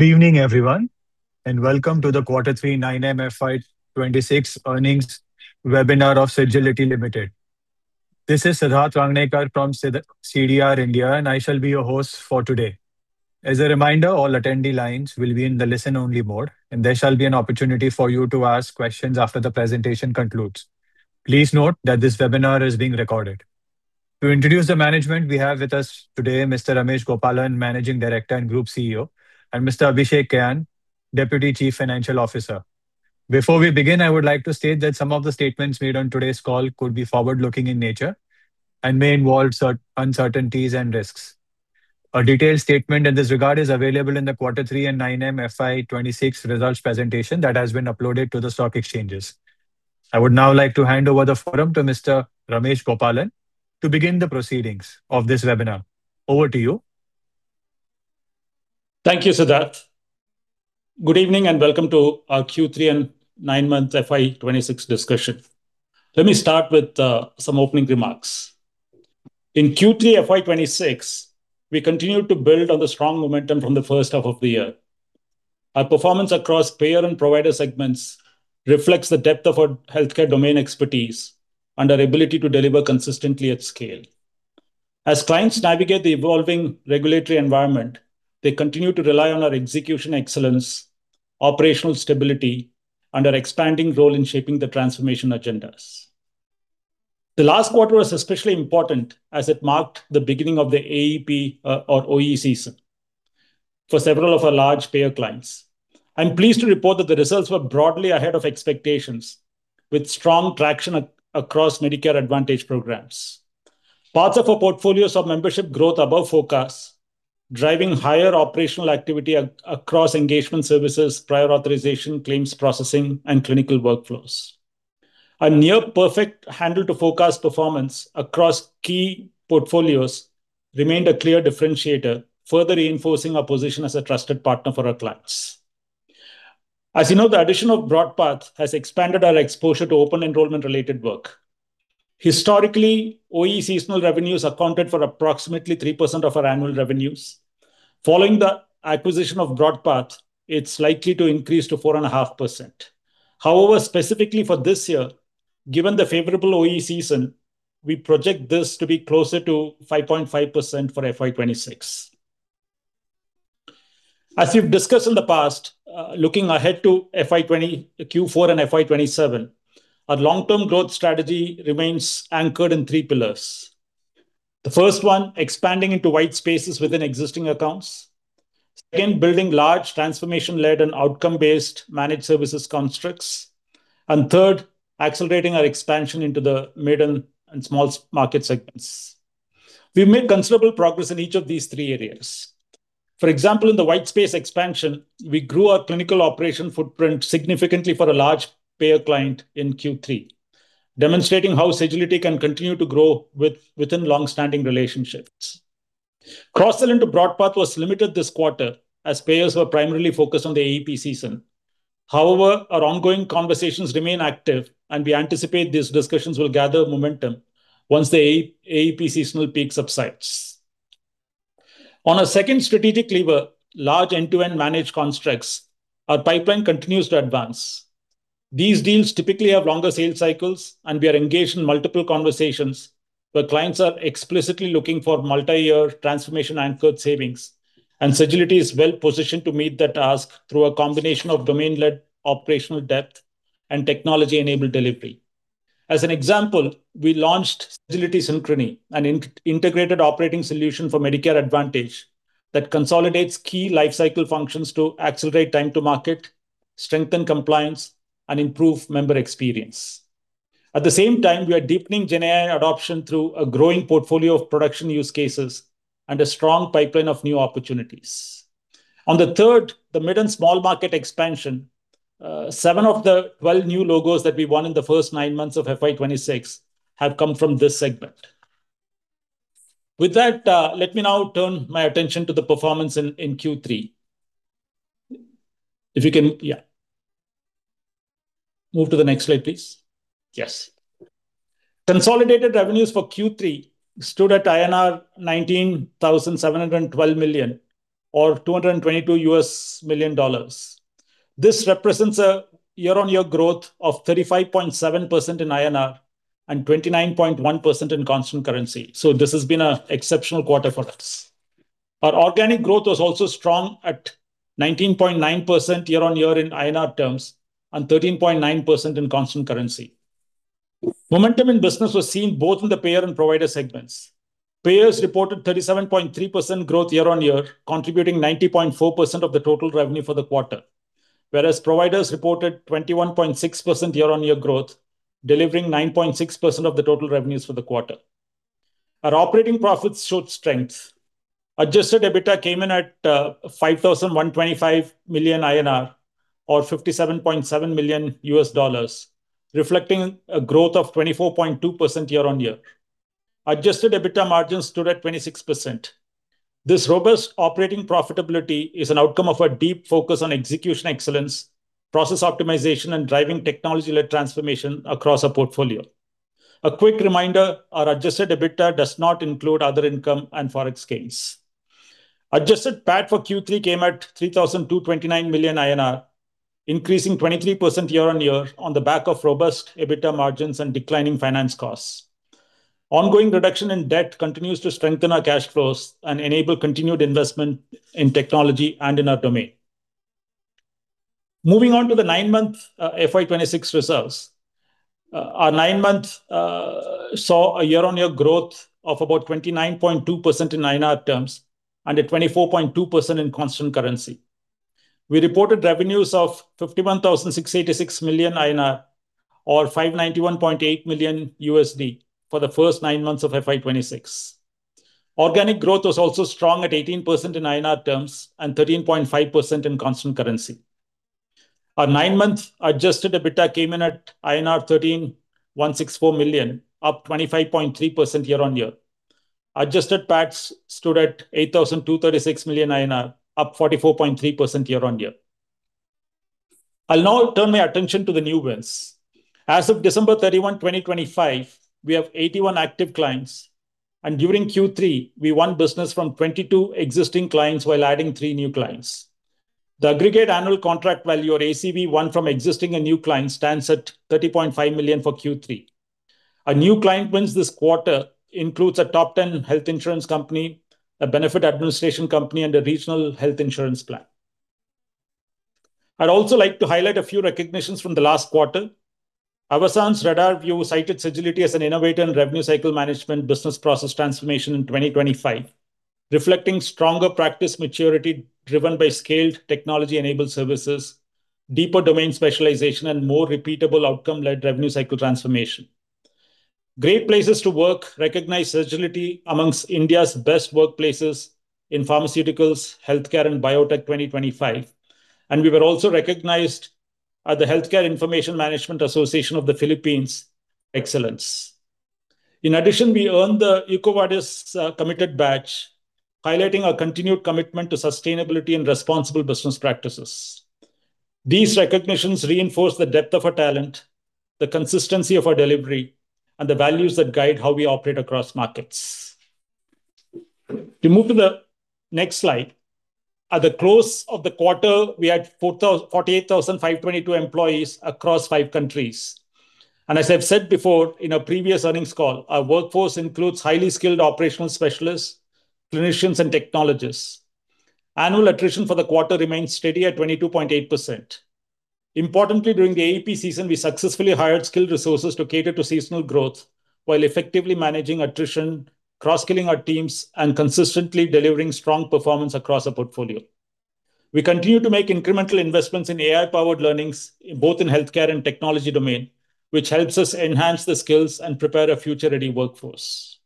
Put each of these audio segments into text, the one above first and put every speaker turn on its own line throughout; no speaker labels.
Good evening, everyone, and welcome to the Quarter Three / 9M FY 2026 earnings webinar of Sagility Limited. This is Siddharth Rangnekar from CDR India, and I shall be your host for today. As a reminder, all attendee lines will be in the listen-only mode, and there shall be an opportunity for you to ask questions after the presentation concludes. Please note that this webinar is being recorded. To introduce the management, we have with us today Mr. Ramesh Gopalan, Managing Director and Group CEO, and Mr. Abhishek Kayan, Deputy Chief Financial Officer. Before we begin, I would like to state that some of the statements made on today's call could be forward-looking in nature and may involve certain uncertainties and risks. A detailed statement in this regard is available in the Quarter Three and 9M FY 2026 results presentation that has been uploaded to the stock exchanges. I would now like to hand over the forum to Mr. Ramesh Gopalan to begin the proceedings of this webinar. Over to you.
Thank you, Siddharth. Good evening, and welcome to our Q3 and 9-month FY 2026 discussion. Let me start with some opening remarks. In Q3 FY 2026, we continued to build on the strong momentum from the first half of the year. Our performance across payer and provider segments reflects the depth of our healthcare domain expertise and our ability to deliver consistently at scale. As clients navigate the evolving regulatory environment, they continue to rely on our execution excellence, operational stability, and our expanding role in shaping the transformation agendas. The last quarter was especially important, as it marked the beginning of the AEP or OE season for several of our large payer clients. I'm pleased to report that the results were broadly ahead of expectations, with strong traction across Medicare Advantage programs. Parts of our portfolio saw membership growth above forecast, driving higher operational activity across engagement services, prior authorization, claims processing, and clinical workflows. A near-perfect handle to forecast performance across key portfolios remained a clear differentiator, further reinforcing our position as a trusted partner for our clients. As you know, the addition of BroadPath has expanded our exposure to open enrollment-related work. Historically, OE seasonal revenues accounted for approximately 3% of our annual revenues. Following the acquisition of BroadPath, it's likely to increase to 4.5%. However, specifically for this year, given the favorable OE season, we project this to be closer to 5.5% for FY 2026. As we've discussed in the past, looking ahead to FY 2026 Q4 and FY 2027, our long-term growth strategy remains anchored in three pillars. The first one, expanding into white spaces within existing accounts. Second, building large transformation-led and outcome-based managed services constructs. Third, accelerating our expansion into the mid and small market segments. We've made considerable progress in each of these three areas. For example, in the white space expansion, we grew our clinical operation footprint significantly for a large payer client in Q3, demonstrating how Sagility can continue to grow within long-standing relationships. Cross-sell into BroadPath was limited this quarter, as payers were primarily focused on the AEP season. However, our ongoing conversations remain active, and we anticipate these discussions will gather momentum once the AEP seasonal peak subsides. On our second strategic lever, large end-to-end managed constructs, our pipeline continues to advance. These deals typically have longer sales cycles, and we are engaged in multiple conversations, where clients are explicitly looking for multi-year transformation-anchored savings. Sagility is well positioned to meet that task through a combination of domain-led operational depth and technology-enabled delivery. As an example, we launched Sagility Synchrony, an integrated operating solution for Medicare Advantage, that consolidates key lifecycle functions to accelerate time to market, strengthen compliance, and improve member experience. At the same time, we are deepening GenAI adoption through a growing portfolio of production use cases and a strong pipeline of new opportunities. On the third, the mid and small market expansion, seven of the 12 new logos that we won in the first nine months of FY 2026 have come from this segment. With that, let me now turn my attention to the performance in Q3. If you can. Yeah. Move to the next slide, please. Yes. Consolidated revenues for Q3 stood at INR 19,712 million, or $222 million. This represents a year-on-year growth of 35.7% in INR and 29.1% in constant currency, so this has been an exceptional quarter for us. Our organic growth was also strong, at 19.9% year-on-year in INR terms and 13.9% in constant currency. Momentum in business was seen both in the payer and provider segments. Payers reported 37.3% growth year-on-year, contributing 90.4% of the total revenue for the quarter. Whereas providers reported 21.6% year-on-year growth, delivering 9.6% of the total revenues for the quarter. Our operating profits showed strength. Adjusted EBITDA came in at 5,125 million INR, or $57.7 million, reflecting a growth of 24.2% year-on-year. Adjusted EBITDA margins stood at 26%. This robust operating profitability is an outcome of a deep focus on execution excellence, process optimization, and driving technology-led transformation across our portfolio.... A quick reminder, our adjusted EBITDA does not include other income and Forex gains. Adjusted PAT for Q3 came at 3,229 million INR, increasing 23% year-on-year on the back of robust EBITDA margins and declining finance costs. Ongoing reduction in debt continues to strengthen our cash flows and enable continued investment in technology and in our domain. Moving on to the nine-month FY 2026 results. Our nine-month saw a year-on-year growth of about 29.2% in INR terms and a 24.2% in constant currency. We reported revenues of 51,686 million INR, or $591.8 million, for the first nine months of FY26. Organic growth was also strong at 18% in INR terms and 13.5% in constant currency. Our nine-month Adjusted EBITDA came in at INR 13,164 million, up 25.3% year-on-year. Adjusted PAT stood at 8,236 million INR, up 44.3% year-on-year. I'll now turn my attention to the new wins. As of December 31, 2025, we have 81 active clients, and during Q3, we won business from 22 existing clients while adding three new clients. The aggregate annual contract value, or ACV, won from existing and new clients stands at $30.5 million for Q3. Our new client wins this quarter includes a top ten health insurance company, a benefit administration company, and a regional health insurance plan. I'd also like to highlight a few recognitions from the last quarter. Avasant's RadarView cited Sagility as an innovator in revenue cycle management business process transformation in 2025, reflecting stronger practice maturity driven by scaled technology-enabled services, deeper domain specialization, and more repeatable outcome-led revenue cycle transformation. Great Place to Work recognized Sagility amongst India's best workplaces in pharmaceuticals, healthcare, and biotech 2025, and we were also recognized at the Healthcare Information Management Association of the Philippines Excellence. In addition, we earned the EcoVadis Committed Badge, highlighting our continued commitment to sustainability and responsible business practices. These recognitions reinforce the depth of our talent, the consistency of our delivery, and the values that guide how we operate across markets. We move to the next slide. At the close of the quarter, we had 48,522 employees across five countries. As I've said before in our previous earnings call, our workforce includes highly skilled operational specialists, clinicians, and technologists. Annual attrition for the quarter remains steady at 22.8%. Importantly, during the AEP season, we successfully hired skilled resources to cater to seasonal growth while effectively managing attrition, cross-skilling our teams, and consistently delivering strong performance across our portfolio. We continue to make incremental investments in AI-powered learnings, both in healthcare and technology domain, which helps us enhance the skills and prepare a future-ready workforce.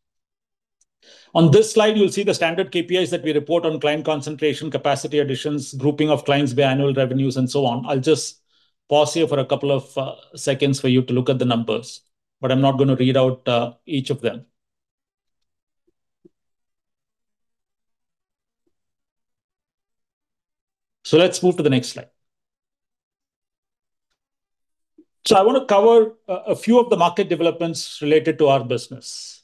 On this slide, you'll see the standard KPIs that we report on client concentration, capacity additions, grouping of clients by annual revenues, and so on. I'll just pause here for a couple of seconds for you to look at the numbers, but I'm not gonna read out each of them. Let's move to the next slide. I wanna cover a few of the market developments related to our business.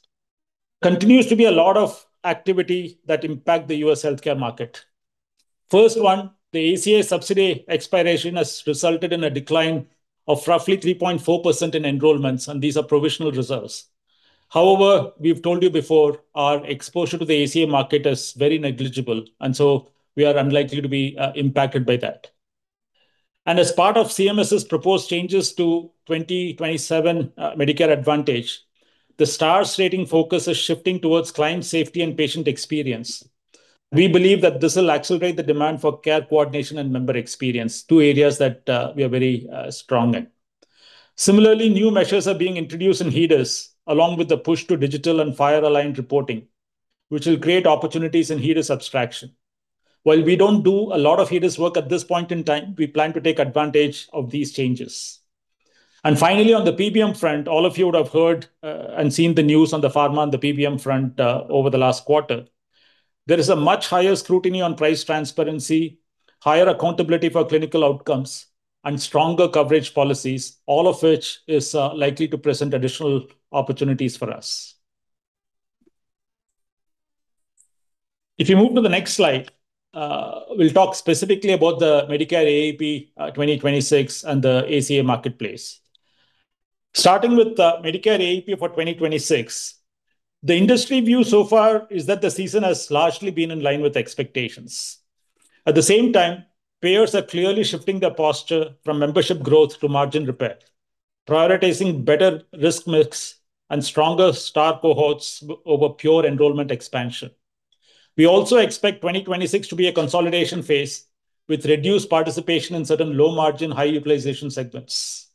Continues to be a lot of activity that impact the U.S. healthcare market. First one, the ACA subsidy expiration has resulted in a decline of roughly 3.4% in enrollments, and these are provisional results. However, we've told you before, our exposure to the ACA market is very negligible, and so we are unlikely to be impacted by that. As part of CMS's proposed changes to 2027 Medicare Advantage, the Star Ratings focus is shifting towards client safety and patient experience. We believe that this will accelerate the demand for care coordination and member experience, two areas that we are very strong in. Similarly, new measures are being introduced in HEDIS, along with the push to digital and FHIR-aligned reporting, which will create opportunities in HEDIS abstraction. While we don't do a lot of HEDIS work at this point in time, we plan to take advantage of these changes. Finally, on the PBM front, all of you would have heard and seen the news on the pharma and the PBM front over the last quarter. There is a much higher scrutiny on price transparency, higher accountability for clinical outcomes, and stronger coverage policies, all of which is likely to present additional opportunities for us. If you move to the next slide, we'll talk specifically about the Medicare AEP 2026 and the ACA marketplace. Starting with the Medicare AEP for 2026, the industry view so far is that the season has largely been in line with expectations. At the same time, payers are clearly shifting their posture from membership growth to margin repair, prioritizing better risk mix and stronger Star cohorts over pure enrollment expansion. We also expect 2026 to be a consolidation phase, with reduced participation in certain low-margin, high-utilization segments.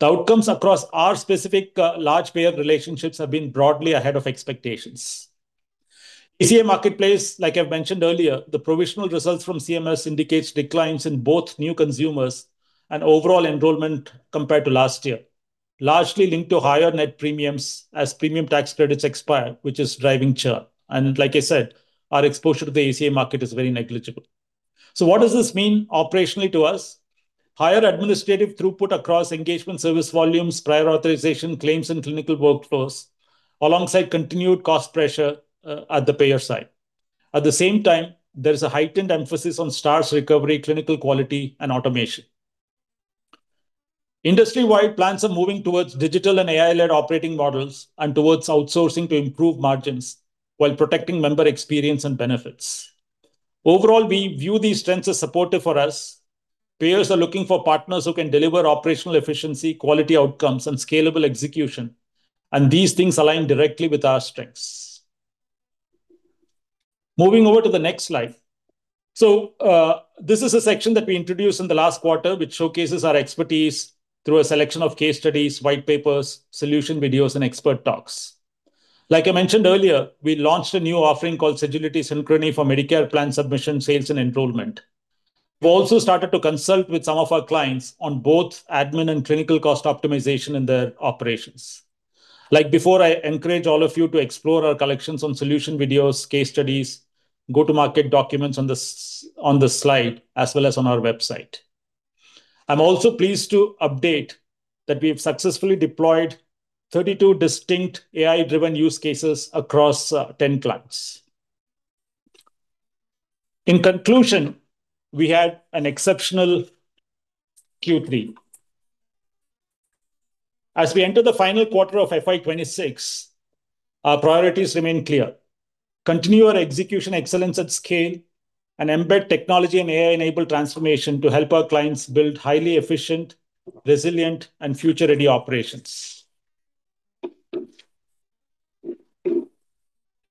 The outcomes across our specific large payer relationships have been broadly ahead of expectations. ACA marketplace, like I've mentioned earlier, the provisional results from CMS indicates declines in both new consumers and overall enrollment compared to last year, largely linked to higher net premiums as premium tax credits expire, which is driving churn. Like I said, our exposure to the ACA market is very negligible. What does this mean operationally to us? ... higher administrative throughput across engagement service volumes, prior authorization, claims, and clinical workflows, alongside continued cost pressure at the payer side. At the same time, there is a heightened emphasis on Stars recovery, clinical quality, and automation. Industry-wide plans are moving towards digital and AI-led operating models and towards outsourcing to improve margins while protecting member experience and benefits. Overall, we view these trends as supportive for us. Payers are looking for partners who can deliver operational efficiency, quality outcomes, and scalable execution, and these things align directly with our strengths. Moving over to the next slide. So, this is a section that we introduced in the last quarter, which showcases our expertise through a selection of case studies, white papers, solution videos, and expert talks. Like I mentioned earlier, we launched a new offering called Sagility Synchrony for Medicare plan submission, sales, and enrollment. We've also started to consult with some of our clients on both admin and clinical cost optimization in their operations. Like before, I encourage all of you to explore our collections on solution videos, case studies, go-to-market documents on the slide, as well as on our website. I'm also pleased to update that we have successfully deployed 32 distinct AI-driven use cases across 10 clients. In conclusion, we had an exceptional Q3. As we enter the final quarter of FY 2026, our priorities remain clear: continue our execution excellence at scale, and embed technology and AI-enabled transformation to help our clients build highly efficient, resilient, and future-ready operations.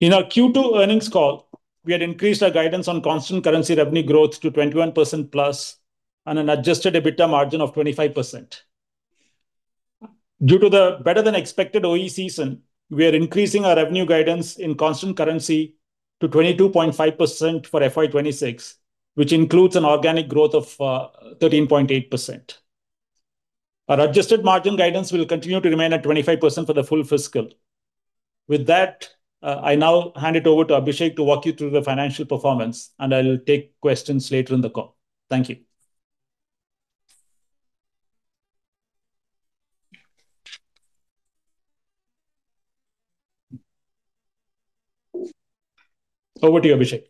In our Q2 earnings call, we had increased our guidance on constant currency revenue growth to 21%+ and an adjusted EBITDA margin of 25%. Due to the better-than-expected OE season, we are increasing our revenue guidance in constant currency to 22.5% for FY 2026, which includes an organic growth of 13.8%. Our adjusted margin guidance will continue to remain at 25% for the full fiscal. With that, I now hand it over to Abhishek to walk you through the financial performance, and I will take questions later in the call. Thank you. Over to you, Abhishek.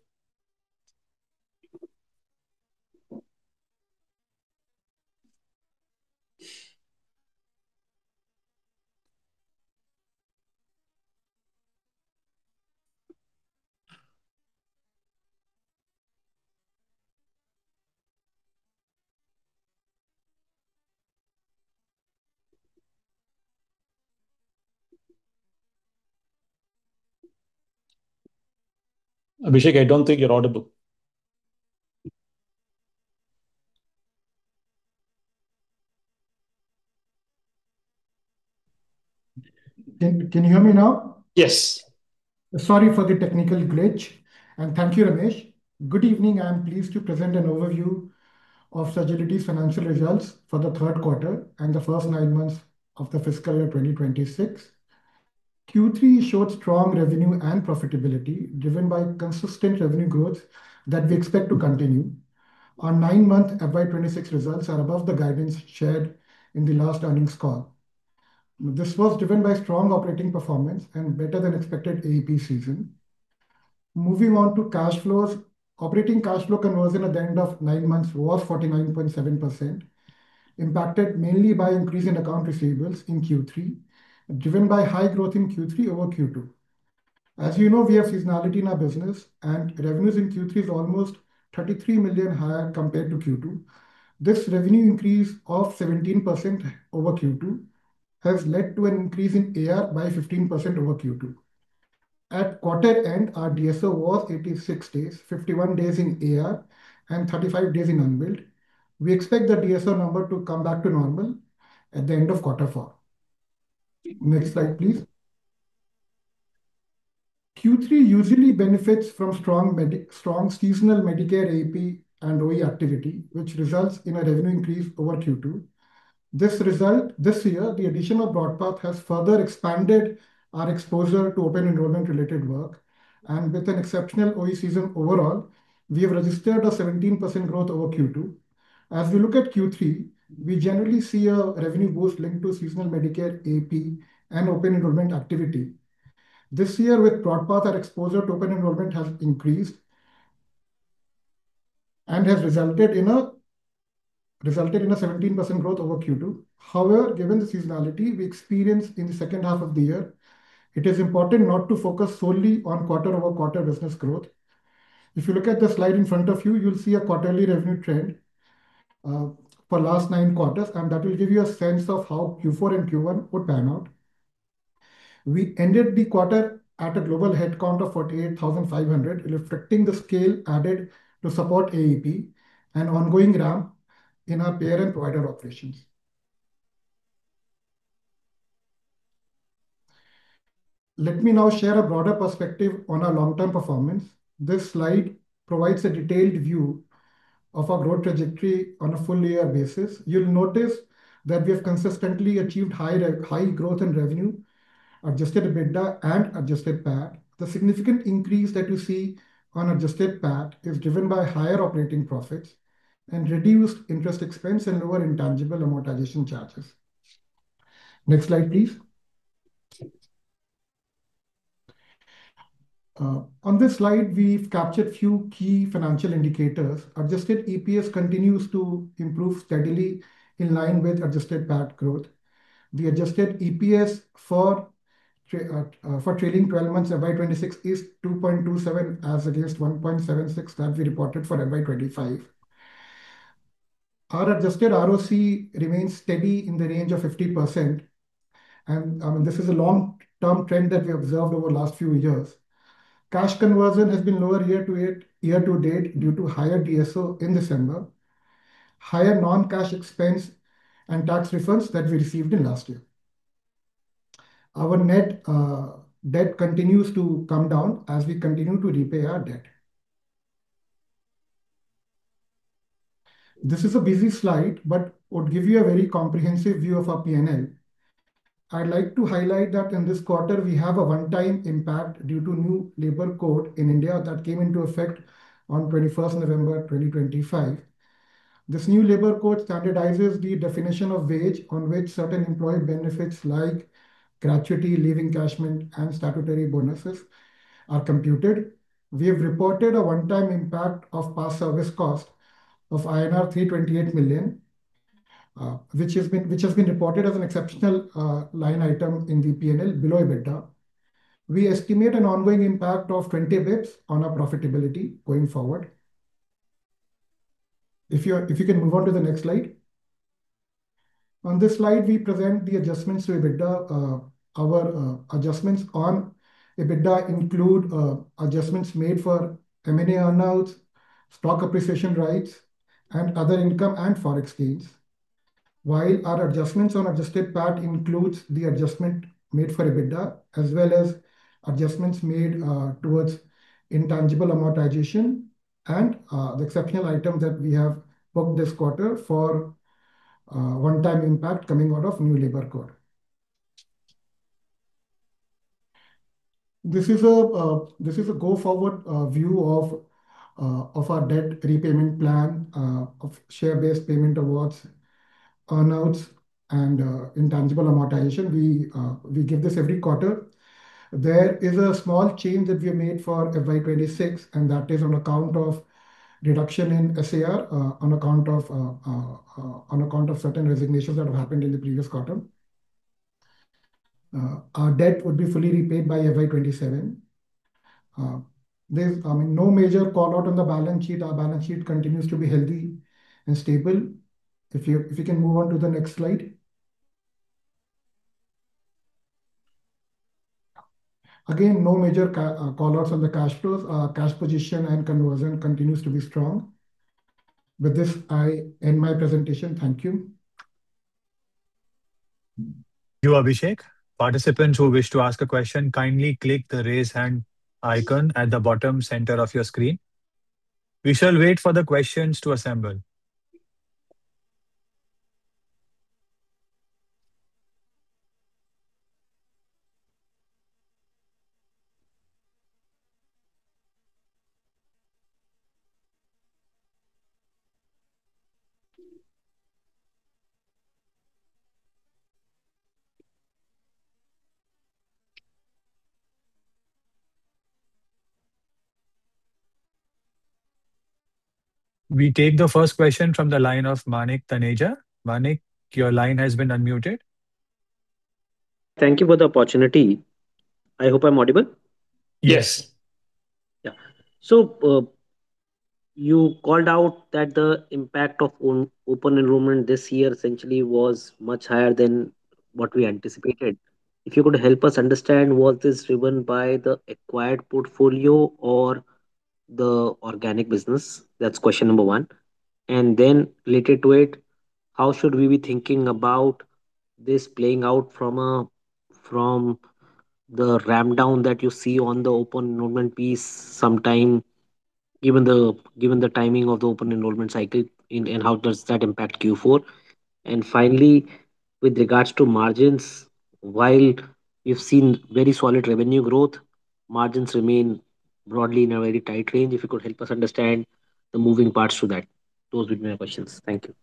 Abhishek, I don't think you're audible.
Can you hear me now?
Yes.
Sorry for the technical glitch, and thank you, Ramesh. Good evening. I'm pleased to present an overview of Sagility's financial results for the third quarter and the first nine months of the fiscal year 2026. Q3 showed strong revenue and profitability, driven by consistent revenue growth that we expect to continue. Our nine-month FY 2026 results are above the guidance shared in the last earnings call. This was driven by strong operating performance and better-than-expected AEP season. Moving on to cash flows. Operating cash flow conversion at the end of nine months was 49.7%, impacted mainly by increase in accounts receivable in Q3, driven by high growth in Q3 over Q2. As you know, we have seasonality in our business, and revenues in Q3 is almost $33 million higher compared to Q2. This revenue increase of 17% over Q2 has led to an increase in AR by 15% over Q2. At quarter end, our DSO was 86 days, 51 days in AR, and 35 days in unbilled. We expect the DSO number to come back to normal at the end of quarter four. Next slide, please. Q3 usually benefits from strong seasonal Medicare AEP and OE activity, which results in a revenue increase over Q2. This year, the addition of BroadPath has further expanded our exposure to open enrollment-related work, and with an exceptional OE season overall, we have registered a 17% growth over Q2. As we look at Q3, we generally see a revenue boost linked to seasonal Medicare AEP and open enrollment activity. This year, with BroadPath, our exposure to open enrollment has increased and has resulted in a 17% growth over Q2. However, given the seasonality we experience in the second half of the year, it is important not to focus solely on quarter-over-quarter business growth. If you look at the slide in front of you, you'll see a quarterly revenue trend for last nine quarters, and that will give you a sense of how Q4 and Q1 would pan out. We ended the quarter at a global headcount of 48,500, reflecting the scale added to support AEP and ongoing ramp in our payer and provider operations. Let me now share a broader perspective on our long-term performance. This slide provides a detailed view of our growth trajectory on a full year basis. You'll notice that we have consistently achieved high growth in revenue, adjusted EBITDA and adjusted PAT. The significant increase that you see on adjusted PAT is driven by higher operating profits and reduced interest expense and lower intangible amortization charges. Next slide, please. On this slide, we've captured a few key financial indicators. Adjusted EPS continues to improve steadily in line with adjusted PAT growth. The adjusted EPS for trailing twelve months FY 2026 is 2.27, as against 1.76 that we reported for FY 2025. Our adjusted ROC remains steady in the range of 50%, and this is a long-term trend that we observed over the last few years. Cash conversion has been lower year to date due to higher DSO in December, higher non-cash expense, and tax refunds that we received in last year. Our net debt continues to come down as we continue to repay our debt. This is a busy slide, but would give you a very comprehensive view of our PNL. I'd like to highlight that in this quarter, we have a one-time impact due to new labor code in India that came into effect on 21 November 2025. This new labor code standardizes the definition of wage on which certain employee benefits, like gratuity, leave encashment, and statutory bonuses are computed. We have reported a one-time impact of past service cost of INR 328 million, which has been reported as an exceptional line item in the PNL below EBITDA. We estimate an ongoing impact of 20 basis points on our profitability going forward. If you're—if you can move on to the next slide. On this slide, we present the adjustments to EBITDA. Our adjustments on EBITDA include adjustments made for M&A earn-outs, stock appreciation rights, and other income and Forex gains. While our adjustments on adjusted PAT includes the adjustment made for EBITDA, as well as adjustments made towards intangible amortization and the exceptional item that we have booked this quarter for one-time impact coming out of new labor code. This is a go-forward view of our debt repayment plan of share-based payment awards, earn-outs, and intangible amortization. We give this every quarter. There is a small change that we have made for FY 2026, and that is on account of reduction in SAR on account of certain resignations that have happened in the previous quarter. Our debt would be fully repaid by FY 2027. There's, I mean, no major call-out on the balance sheet. Our balance sheet continues to be healthy and stable. If you can move on to the next slide. Again, no major call-outs on the cash flows. Cash position and conversion continues to be strong. With this, I end my presentation. Thank you.
Thank you, Abhishek. Participants who wish to ask a question, kindly click the Raise Hand icon at the bottom center of your screen. We shall wait for the questions to assemble. We take the first question from the line of Manik Taneja. Manik, your line has been unmuted.
Thank you for the opportunity. I hope I'm audible?
Yes.
Yeah. So, you called out that the impact of open enrollment this year essentially was much higher than what we anticipated. If you could help us understand, was this driven by the acquired portfolio or the organic business? That's question number one. And then related to it, how should we be thinking about this playing out from a, from the ramp down that you see on the open enrollment piece sometime, given the, given the timing of the open enrollment cycle, and, and how does that impact Q4? And finally, with regards to margins, while you've seen very solid revenue growth, margins remain broadly in a very tight range. If you could help us understand the moving parts to that. Those would be my questions. Thank you.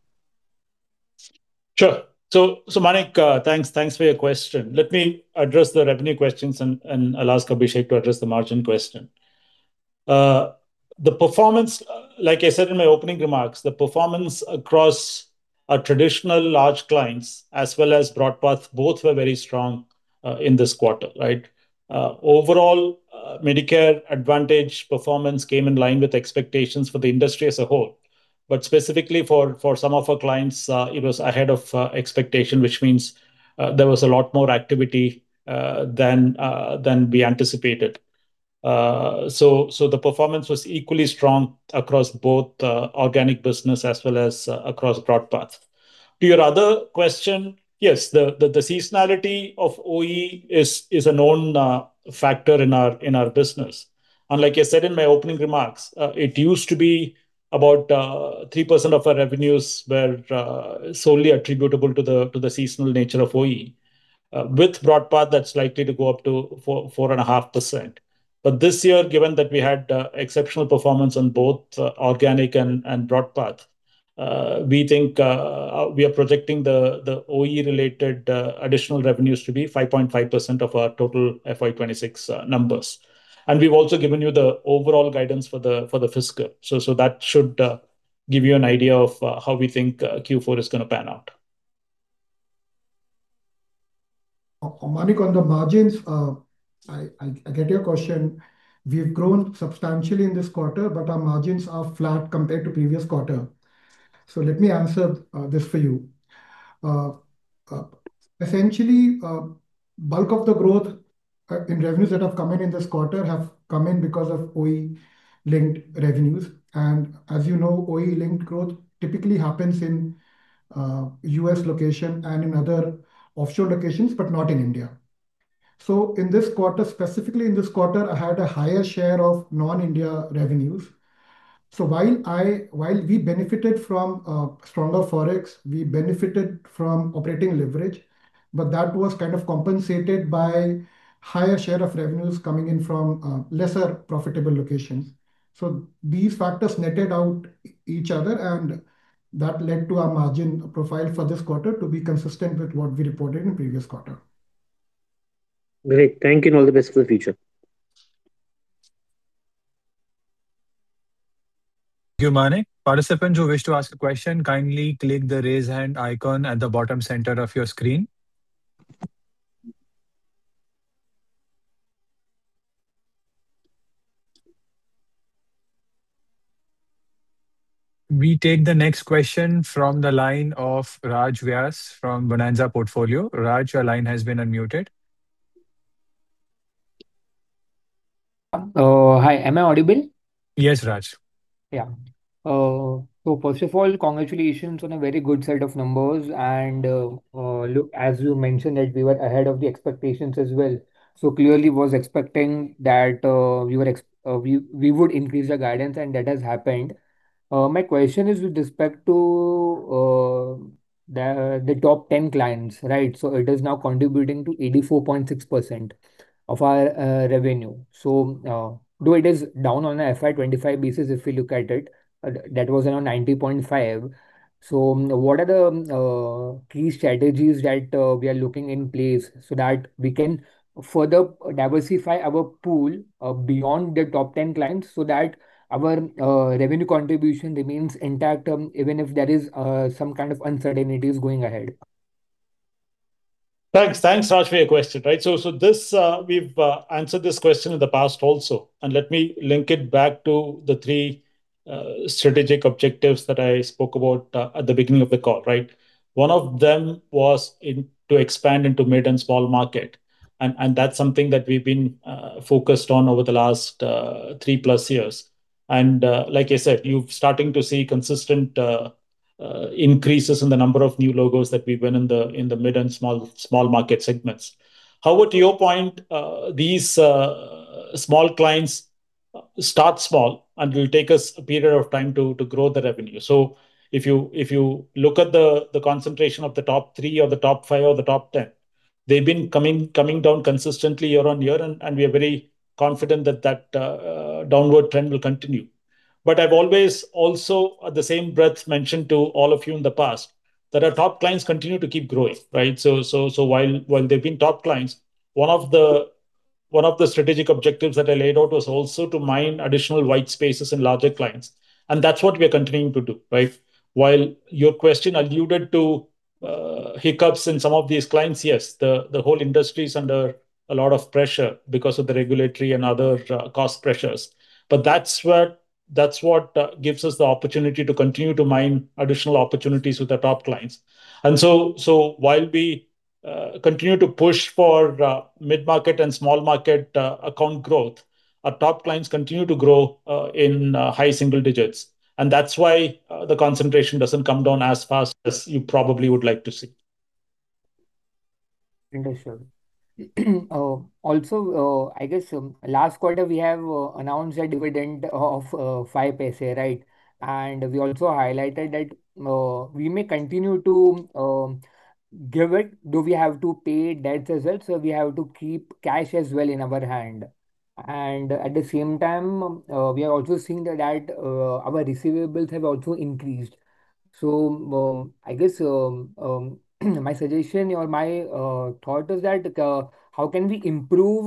Sure. So, Manik, thanks for your question. Let me address the revenue questions and I'll ask Abhishek to address the margin question. The performance, like I said in my opening remarks, the performance across our traditional large clients, as well as BroadPath, both were very strong in this quarter, right? Overall, Medicare Advantage performance came in line with expectations for the industry as a whole. But specifically for some of our clients, it was ahead of expectation, which means there was a lot more activity than we anticipated. So, the performance was equally strong across both the organic business as well as across BroadPath. To your other question, yes, the seasonality of OE is a known factor in our business. Like I said in my opening remarks, it used to be about 3% of our revenues were solely attributable to the seasonal nature of OE. With BroadPath, that's likely to go up to 4%-4.5%.... but this year, given that we had exceptional performance on both organic and BroadPath, we think we are projecting the OE-related additional revenues to be 5.5% of our total FY 2026 numbers. And we've also given you the overall guidance for the fiscal. So that should give you an idea of how we think Q4 is going to pan out.
Manik, on the margins, I get your question. We've grown substantially in this quarter, but our margins are flat compared to previous quarter. So let me answer this for you. Essentially, bulk of the growth in revenues that have come in in this quarter have come in because of OE-linked revenues. And as you know, OE-linked growth typically happens in US location and in other offshore locations, but not in India. So in this quarter, specifically in this quarter, I had a higher share of non-India revenues. So while we benefited from stronger Forex, we benefited from operating leverage, but that was kind of compensated by higher share of revenues coming in from lesser profitable locations. So these factors netted out each other, and that led to our margin profile for this quarter to be consistent with what we reported in the previous quarter.
Great. Thank you, and all the best for the future.
Thank you, Manik. Participants who wish to ask a question, kindly click the Raise Hand icon at the bottom center of your screen. We take the next question from the line of Raj Vyas from Bonanza Portfolio. Raj, your line has been unmuted.
Hi, am I audible?
Yes, Raj.
Yeah. So first of all, congratulations on a very good set of numbers, and, look, as you mentioned that we were ahead of the expectations as well. So clearly was expecting that, we would increase the guidance, and that has happened. My question is with respect to the top 10 clients, right? So it is now contributing to 84.6% of our revenue. So, though it is down on a FY 2025 basis, if we look at it, that was around 90.5. So what are the key strategies that we are looking in place so that we can further diversify our pool beyond the top 10 clients, so that our revenue contribution remains intact, even if there is some kind of uncertainties going ahead?
Thanks. Thanks, Raj, for your question. Right. So this. We've answered this question in the past also, and let me link it back to the three strategic objectives that I spoke about at the beginning of the call, right? One of them was to expand into mid and small market, and that's something that we've been focused on over the last three-plus years. And like I said, you're starting to see consistent increases in the number of new logos that we've won in the mid and small market segments. However, to your point, these small clients start small and will take us a period of time to grow the revenue. So if you look at the concentration of the top 3 or the top 5 or the top 10, they've been coming down consistently year on year, and we are very confident that that downward trend will continue. But I've always also, at the same breath, mentioned to all of you in the past, that our top clients continue to keep growing, right? So while they've been top clients, one of the strategic objectives that I laid out was also to mine additional white spaces and larger clients, and that's what we are continuing to do, right? While your question alluded to hiccups in some of these clients, yes, the whole industry is under a lot of pressure because of the regulatory and other cost pressures. But that's what gives us the opportunity to continue to mine additional opportunities with the top clients. And so while we continue to push for mid-market and small market account growth, our top clients continue to grow in high single digits, and that's why the concentration doesn't come down as fast as you probably would like to see.
Interesting. Also, I guess, last quarter, we have announced a dividend of 0.05, right? And we also highlighted that we may continue to give it, though we have to pay debts as well, so we have to keep cash as well in our hand. And at the same time, we are also seeing that our receivables have also increased. So, I guess, my suggestion or my thought is that how can we improve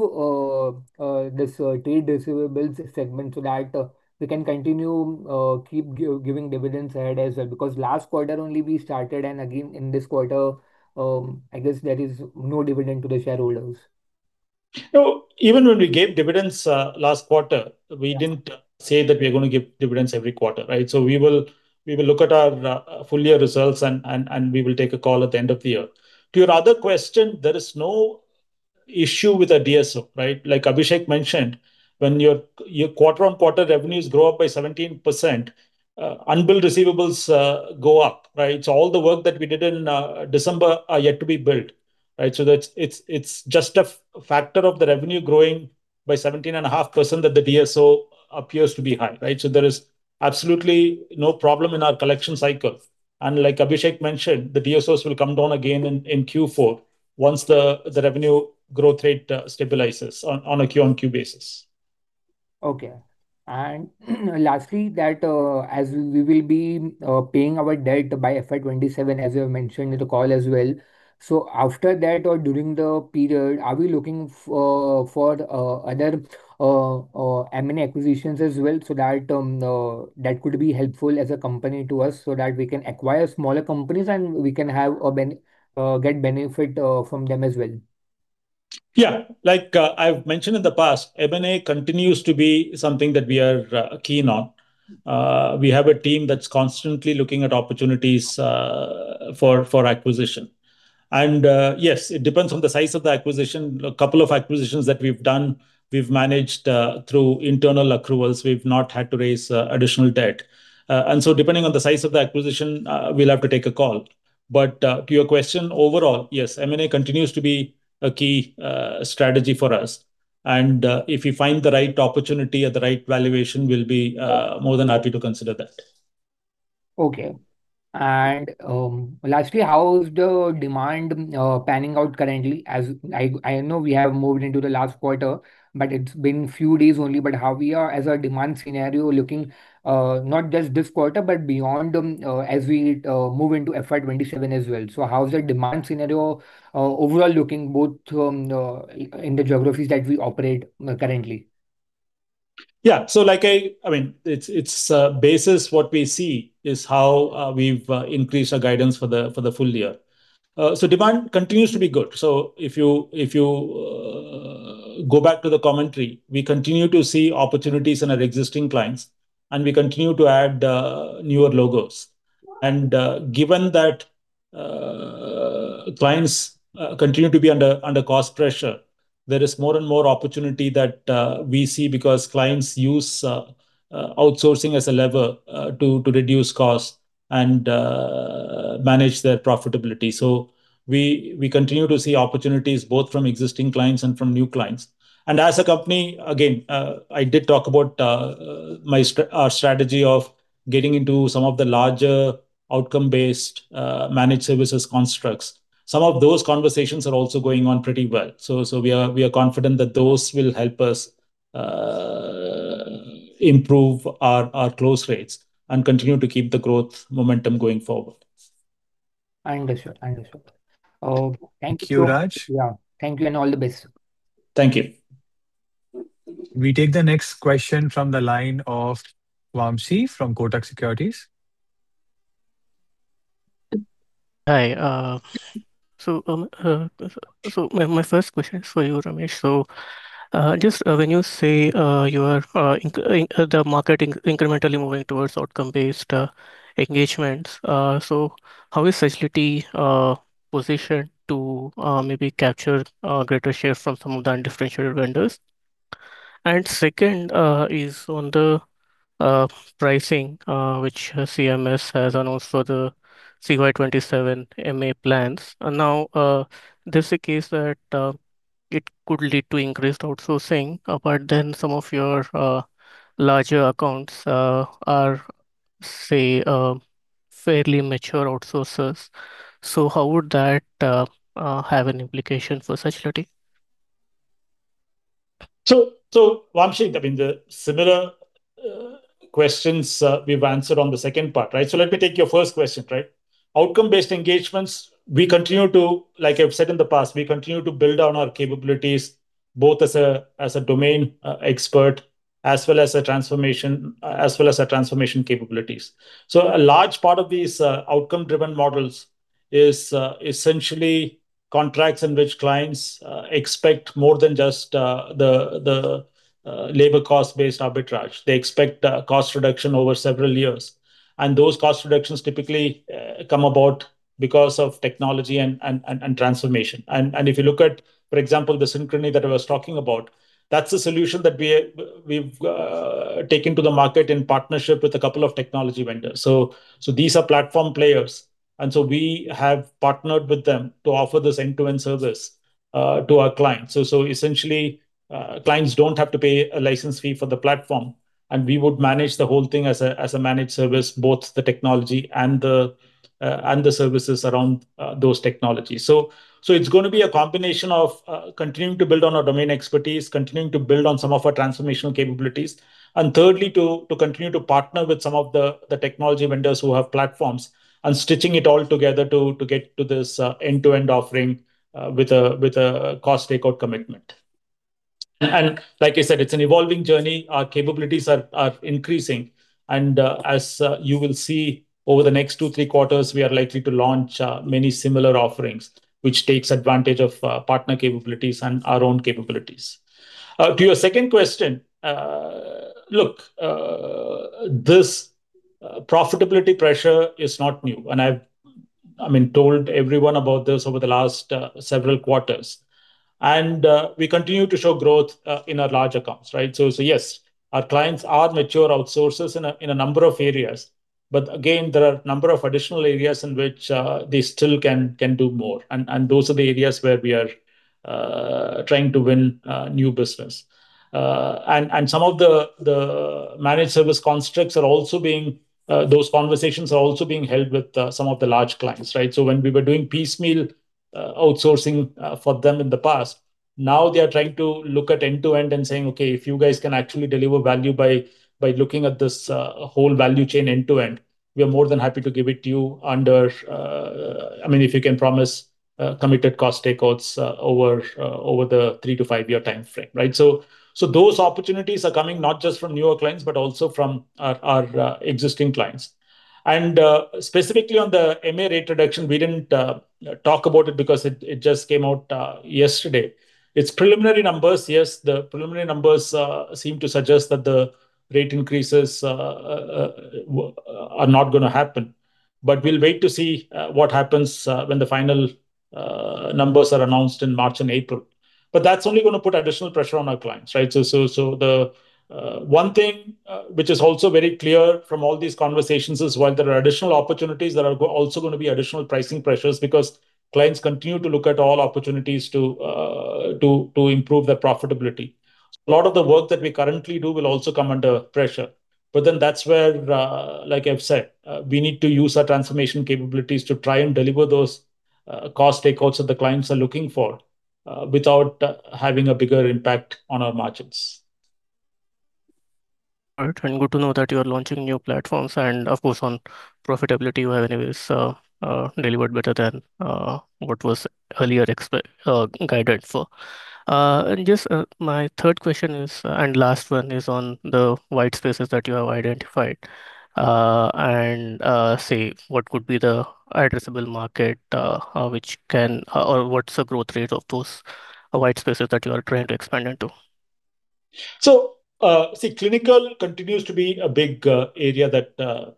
this trade receivables segment so that we can continue keep giving dividends ahead as well? Because last quarter only we started, and again, in this quarter, I guess there is no dividend to the shareholders.
No, even when we gave dividends, last quarter-
Yeah.
We didn't say that we're going to give dividends every quarter, right? So we will, we will look at our full year results, and, and, and we will take a call at the end of the year. To your other question, there is no issue with our DSO, right? Like Abhishek mentioned, when your quarter-on-quarter revenues grow up by 17%, unbilled receivables go up, right? So all the work that we did in December are yet to be billed, right? So that's... It's, it's just a factor of the revenue growing by 17.5% that the DSO appears to be high, right? So there is absolutely no problem in our collection cycle... and like Abhishek mentioned, the DSOs will come down again in Q4 once the revenue growth rate stabilizes on a Q-on-Q basis.
Okay. And lastly, as we will be paying our debt by FY27, as you have mentioned in the call as well, so after that or during the period, are we looking for other M&A acquisitions as well, so that that could be helpful as a company to us, so that we can acquire smaller companies and we can have a benefit from them as well?
Yeah. Like, I've mentioned in the past, M&A continues to be something that we are keen on. We have a team that's constantly looking at opportunities for acquisition. And yes, it depends on the size of the acquisition. A couple of acquisitions that we've done, we've managed through internal accruals, we've not had to raise additional debt. And so depending on the size of the acquisition, we'll have to take a call. But to your question, overall, yes, M&A continues to be a key strategy for us, and if we find the right opportunity at the right valuation, we'll be more than happy to consider that.
Okay. Lastly, how is the demand panning out currently? As I know we have moved into the last quarter, but it's been few days only. But how we are as a demand scenario looking, not just this quarter, but beyond, as we move into FY27 as well? So how is the demand scenario overall looking both in the geographies that we operate currently?
Yeah. So like I mean, it's, it's basis what we see is how we've increased our guidance for the full year. So demand continues to be good. So if you, if you go back to the commentary, we continue to see opportunities in our existing clients, and we continue to add newer logos. And given that, clients continue to be under cost pressure, there is more and more opportunity that we see because clients use outsourcing as a lever to reduce cost and manage their profitability. So we continue to see opportunities both from existing clients and from new clients. And as a company, again, I did talk about our strategy of getting into some of the larger outcome-based managed services constructs. Some of those conversations are also going on pretty well. So we are confident that those will help us improve our close rates and continue to keep the growth momentum going forward.
I understand. I understand. Thank you-
Thank you, Raj.
Yeah. Thank you, and all the best.
Thank you.
We take the next question from the line of Vamshi, from Kotak Securities.
Hi, my first question is for you, Ramesh. Just when you say you are the market incrementally moving towards outcome-based engagements, so how is Sagility positioned to maybe capture greater share from some of the undifferentiated vendors? And second is on the pricing which CMS has, and also the CY27 MA plans. Now, there's a case that it could lead to increased outsourcing, but then some of your larger accounts are, say, fairly mature outsourcers. So how would that have an implication for Sagility?
So Vamshi, I mean, the similar questions we've answered on the second part, right? So let me take your first question, right. Outcome-based engagements, we continue to... Like I've said in the past, we continue to build on our capabilities, both as a domain expert, as well as a transformation, as well as our transformation capabilities. So a large part of these outcome-driven models is essentially contracts in which clients expect more than just the labor cost-based arbitrage. They expect cost reduction over several years, and those cost reductions typically come about because of technology and transformation. And if you look at, for example, the Synchrony that I was talking about, that's a solution that we've taken to the market in partnership with a couple of technology vendors. So, these are platform players, and so we have partnered with them to offer this end-to-end service to our clients. So, essentially, clients don't have to pay a license fee for the platform, and we would manage the whole thing as a managed service, both the technology and the services around those technologies. So, it's gonna be a combination of continuing to build on our domain expertise, continuing to build on some of our transformational capabilities, and thirdly, to continue to partner with some of the technology vendors who have platforms, and stitching it all together to get to this end-to-end offering with a cost takeout commitment. And like I said, it's an evolving journey. Our capabilities are increasing, and as you will see over the next 2-3 quarters, we are likely to launch many similar offerings, which takes advantage of partner capabilities and our own capabilities. To your second question, look, this profitability pressure is not new, and I've, I mean, told everyone about this over the last several quarters. And we continue to show growth in our large accounts, right? So yes, our clients are mature outsourcers in a number of areas, but again, there are a number of additional areas in which they still can do more, and those are the areas where we are trying to win new business. And some of the managed service constructs are also being... Those conversations are also being held with, some of the large clients, right? So when we were doing piecemeal outsourcing, for them in the past. Now they are trying to look at end-to-end and saying, "Okay, if you guys can actually deliver value by, by looking at this, whole value chain end-to-end, we are more than happy to give it to you under, I mean, if you can promise, committed cost takeouts, over, over the three to five-year timeframe," right? So, so those opportunities are coming not just from newer clients, but also from our, our, existing clients. And, specifically on the MA rate reduction, we didn't, talk about it because it, it just came out, yesterday. It's preliminary numbers. Yes, the preliminary numbers seem to suggest that the rate increases are not gonna happen, but we'll wait to see what happens when the final numbers are announced in March and April. But that's only gonna put additional pressure on our clients, right? The one thing which is also very clear from all these conversations is while there are additional opportunities, there are also gonna be additional pricing pressures, because clients continue to look at all opportunities to improve their profitability. A lot of the work that we currently do will also come under pressure. But then that's where, like I've said, we need to use our transformation capabilities to try and deliver those cost takeouts that the clients are looking for, without having a bigger impact on our margins.
All right, and good to know that you are launching new platforms, and of course, on profitability, you have anyways delivered better than what was earlier expected guided for. And just, my third question is, and last one, is on the white spaces that you have identified. And, say, what could be the addressable market, or what's the growth rate of those white spaces that you are trying to expand into?
So, see, clinical continues to be a big area that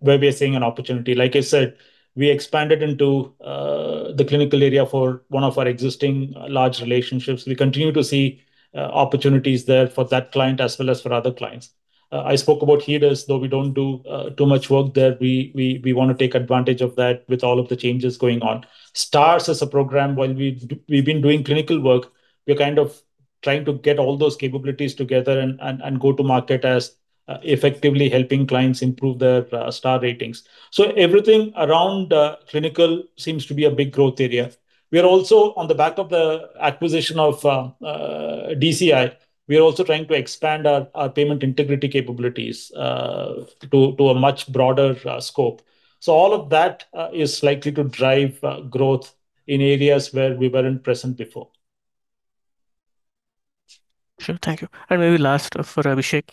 where we are seeing an opportunity. Like I said, we expanded into the clinical area for one of our existing large relationships. We continue to see opportunities there for that client as well as for other clients. I spoke about HEDIS, though we don't do too much work there, we wanna take advantage of that with all of the changes going on. Stars is a program, while we've been doing clinical work, we're kind of trying to get all those capabilities together and go to market as effectively helping clients improve their Star ratings. So everything around clinical seems to be a big growth area. We are also on the back of the acquisition of DCI. We are also trying to expand our payment integrity capabilities to a much broader scope. So all of that is likely to drive growth in areas where we weren't present before.
Sure. Thank you. And maybe last for Abhishek.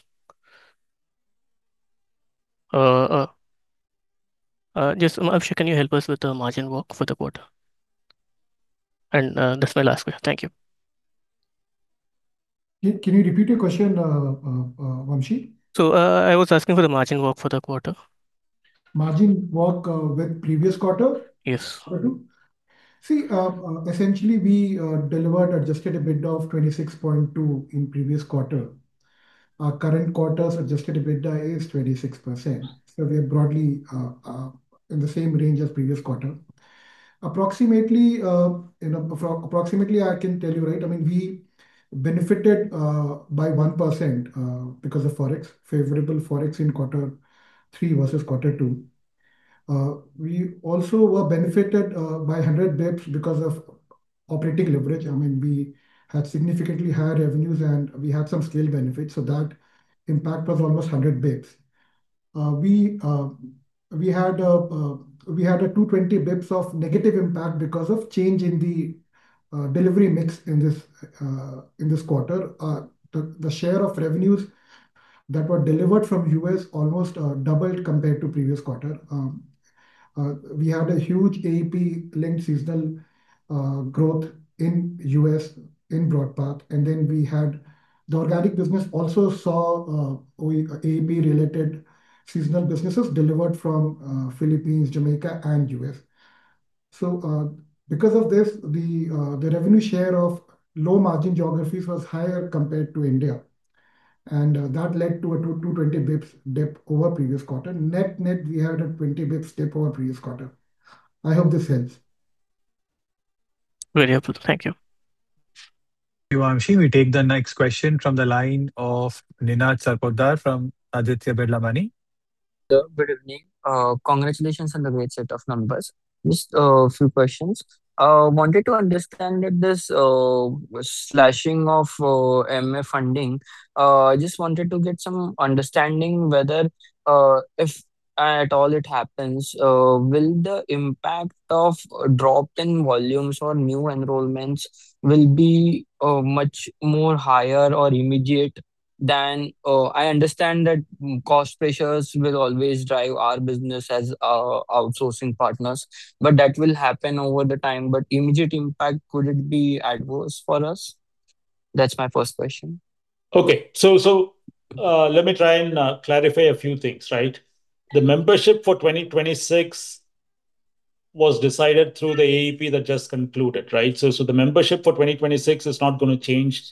Just, Abhishek, can you help us with the margin walk for the quarter? And, that's my last question. Thank you.
Can you repeat your question, Vamshi?
I was asking for the margin walk for the quarter.
Margin walk with previous quarter?
Yes.
Mm-hmm. See, essentially, we delivered adjusted EBITDA of 26.2 in previous quarter. Our current quarter's adjusted EBITDA is 26%, so we are broadly in the same range as previous quarter. Approximately, you know, I can tell you, right? I mean, we benefited by 1% because of Forex, favorable Forex in quarter three versus quarter two. We also were benefited by 100 basis points because of operating leverage. I mean, we had significantly higher revenues, and we had some scale benefits, so that impact was almost 100 basis points. We had a 220 basis points of negative impact because of change in the delivery mix in this quarter. The share of revenues that were delivered from U.S. almost doubled compared to previous quarter. We had a huge AEP-linked seasonal growth in U.S. in BroadPath, and then we had the organic business also saw AEP-related seasonal businesses delivered from Philippines, Jamaica, and U.S. So, because of this, the revenue share of low-margin geographies was higher compared to India, and that led to a 220 basis points dip over previous quarter. Net-net, we had a 20 basis points dip over previous quarter. I hope this helps.
Very helpful. Thank you.
Thank you, Vamshi. We take the next question from the line of Ninad Sarpotdar from Aditya Birla Money.
Sir, good evening. Congratulations on the great set of numbers. Just, a few questions. Wanted to understand that this, slashing of, MA funding, I just wanted to get some understanding whether, if at all it happens, will the impact of drop in volumes or new enrollments will be, much more higher or immediate than... I understand that cost pressures will always drive our business as, outsourcing partners, but that will happen over the time. But immediate impact, could it be adverse for us? That's my first question.
Okay. So, let me try and clarify a few things, right? The membership for 2026 was decided through the AEP that just concluded, right? So, the membership for 2026 is not gonna change,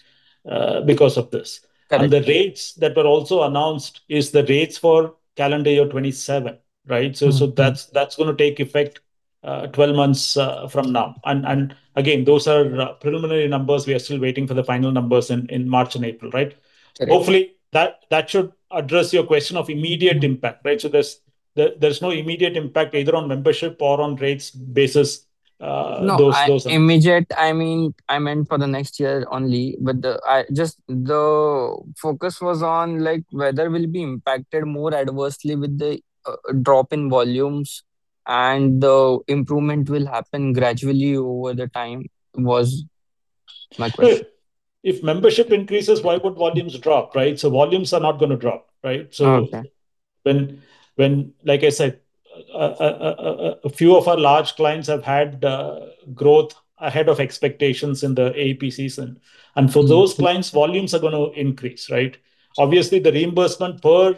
because of this.
Correct.
The dates that were also announced is the dates for calendar year 2027, right?
Mm-hmm.
So that's gonna take effect 12 months from now. And again, those are preliminary numbers. We are still waiting for the final numbers in March and April, right?
Correct.
Hopefully, that should address your question of immediate impact, right? So there's no immediate impact either on membership or on rates basis, those, those-
No, immediate, I mean, I meant for the next year only. But the focus was on, like, whether we'll be impacted more adversely with the drop in volumes, and the improvement will happen gradually over the time, was my question.
If membership increases, why would volumes drop, right? So volumes are not gonna drop, right?
Oh, okay.
So, when, like I said, a few of our large clients have had growth ahead of expectations in the AEP season.
Mm.
For those clients, volumes are gonna increase, right? Obviously, the reimbursement per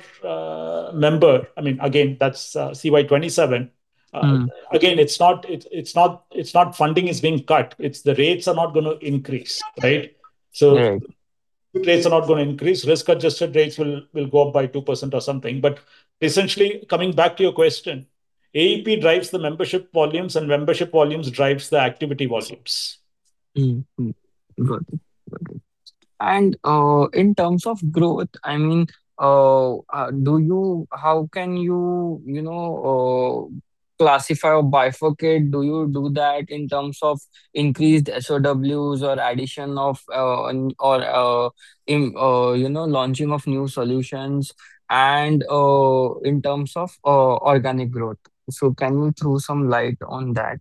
member, I mean, again, that's CY 2027.
Mm.
Again, it's not funding is being cut. It's the rates are not gonna increase, right?
Mm.
So the rates are not gonna increase. Risk-adjusted rates will go up by 2% or something. But essentially, coming back to your question, AEP drives the membership volumes, and membership volumes drives the activity volumes.
Mm, mm. Got it. Got it. And in terms of growth, I mean, do you, how can you, you know, classify or bifurcate? Do you do that in terms of increased SOWs or addition of an or, you know, launching of new solutions and in terms of organic growth? So can you throw some light on that?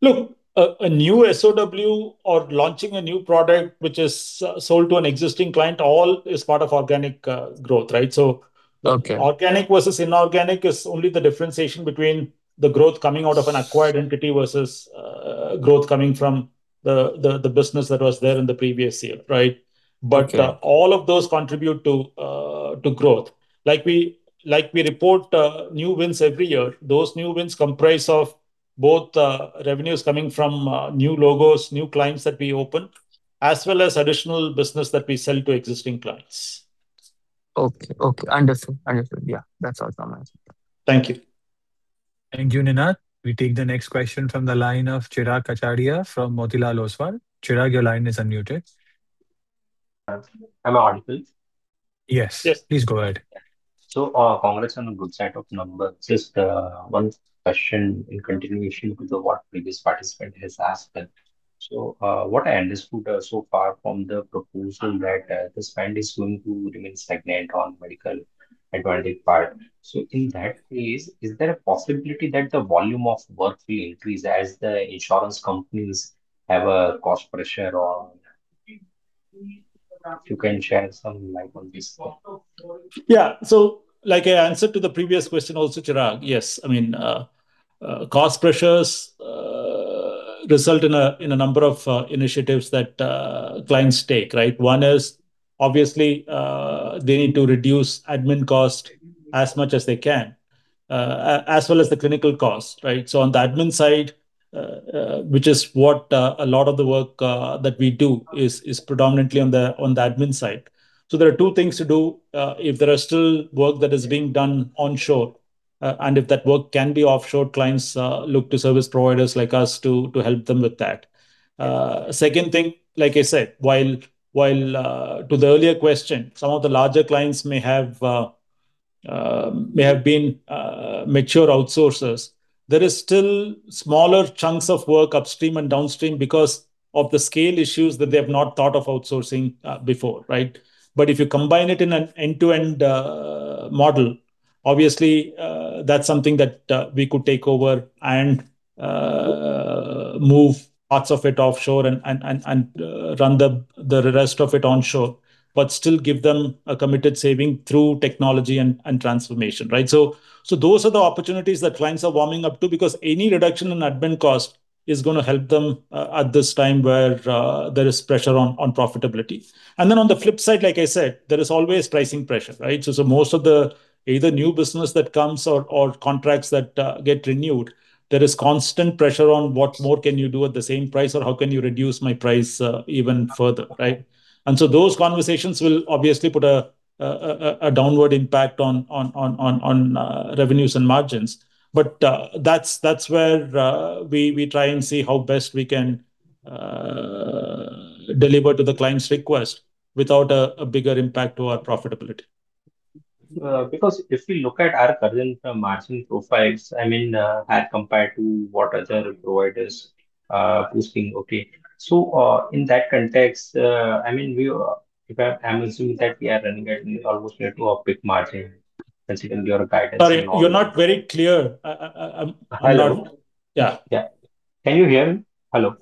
Look, a new SOW or launching a new product which is sold to an existing client, all is part of organic growth, right? So-
Okay.
Organic versus inorganic is only the differentiation between the growth coming out of an acquired entity versus growth coming from the business that was there in the previous year, right?
Okay.
All of those contribute to growth. Like, we report new wins every year, those new wins comprise of both revenues coming from new logos, new clients that we open, as well as additional business that we sell to existing clients.
Okay, okay. Understood. Understood. Yeah, that's all from my side.
Thank you.
Thank you, Ninad. We take the next question from the line of Chirag Kachhadiya from Motilal Oswal. Chirag, your line is unmuted.
Am I audible?
Yes.
Yes.
Please go ahead.
So, congrats on the good set of numbers. Just, one question in continuation to the, what previous participant has asked. So, what I understood, so far from the proposal that, the spend is going to remain stagnant on Medicare Advantage part. So in that case, is there a possibility that the volume of work will increase as the insurance companies have a cost pressure on? If you can share some light on this.
Yeah. So like I answered to the previous question also, Chirag, yes. I mean, cost pressures result in a number of initiatives that clients take, right? One is, obviously, they need to reduce admin cost as much as they can, as well as the clinical cost, right? So on the admin side, which is what a lot of the work that we do is predominantly on the admin side. So there are two things to do. If there are still work that is being done onshore, and if that work can be offshored, clients look to service providers like us to help them with that. Second thing, like I said, while to the earlier question, some of the larger clients may have been mature outsourcers. There is still smaller chunks of work upstream and downstream because of the scale issues that they have not thought of outsourcing before, right? But if you combine it in an end-to-end model, obviously, that's something that we could take over and move parts of it offshore and run the rest of it onshore, but still give them a committed saving through technology and transformation, right? So those are the opportunities that clients are warming up to, because any reduction in admin cost is gonna help them at this time where there is pressure on profitability. And then on the flip side, like I said, there is always pricing pressure, right? So most of the either new business that comes or contracts that get renewed, there is constant pressure on what more can you do at the same price, or how can you reduce my price even further, right? And so those conversations will obviously put a downward impact on revenues and margins. But that's where we try and see how best we can deliver to the client's request without a bigger impact to our profitability.
Because if we look at our current margin profiles, I mean, as compared to what other providers are pushing. Okay. So, in that context, I mean, we... I'm assuming that we are running at almost near to a peak margin, considering your guidance-
Sorry, you're not very clear.
Hello?
Yeah.
Yeah. Can you hear me? Hello.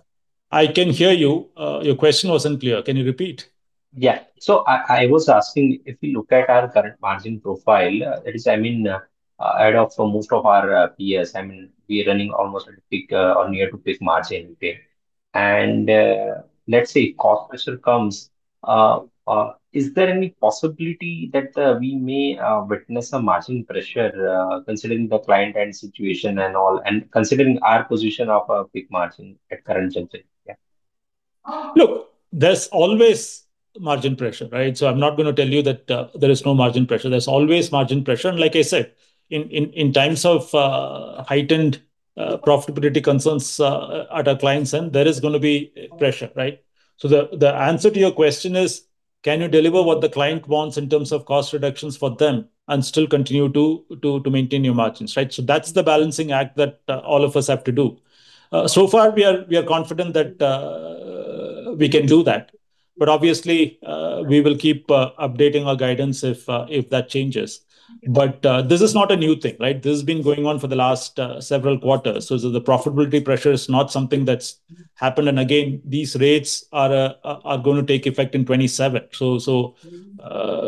I can hear you. Your question wasn't clear. Can you repeat?
Yeah. So I was asking, if we look at our current margin profile, that is, I mean, as of for most of our, PS, I mean, we are running almost at peak, or near to peak margin. Okay. And, let's say if cost pressure comes, is there any possibility that we may witness some margin pressure, considering the client-end situation and all, and considering our position of a peak margin at current juncture? Yeah.
Look, there's always margin pressure, right? So I'm not gonna tell you that there is no margin pressure. There's always margin pressure, and like I said, in times of heightened profitability concerns at our client's end, there is gonna be pressure, right? So the answer to your question is, can you deliver what the client wants in terms of cost reductions for them and still continue to maintain your margins, right? So that's the balancing act that all of us have to do. So far, we are confident that we can do that, but obviously we will keep updating our guidance if that changes. But this is not a new thing, right? This has been going on for the last several quarters. So the profitability pressure is not something that's happened. And again, these rates are, are going to take effect in 2027, so, so,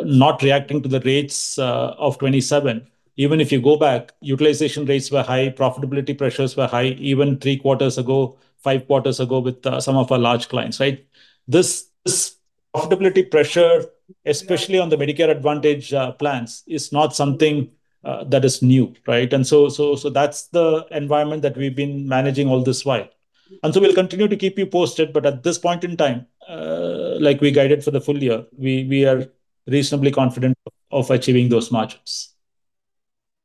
not reacting to the rates, of 2027. Even if you go back, utilization rates were high, profitability pressures were high even three quarters ago, five quarters ago, with, some of our large clients, right? This profitability pressure, especially on the Medicare Advantage, plans, is not something, that is new, right? And so that's the environment that we've been managing all this while. And so we'll continue to keep you posted, but at this point in time, like we guided for the full year, we are reasonably confident of achieving those margins.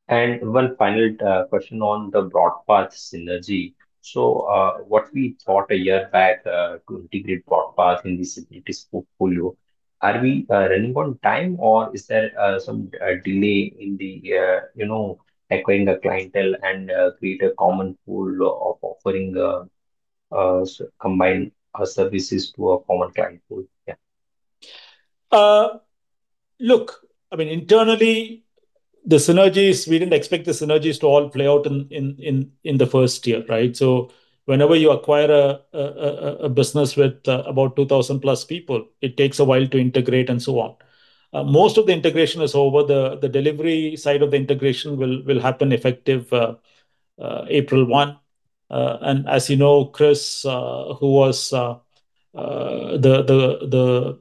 One final question on the BroadPath synergy. So, what we thought a year back to integrate BroadPath in this portfolio, are we running on time, or is there some delay in the, you know, acquiring the clientele and create a common pool of offering, combined services to our common client pool? Yeah.
Look, I mean, internally, the synergies, we didn't expect the synergies to all play out in the first year, right? So whenever you acquire a business with about 2,000+ people, it takes a while to integrate and so on. Most of the integration is over. The delivery side of the integration will happen effective April 1. And as you know, Chris, who was the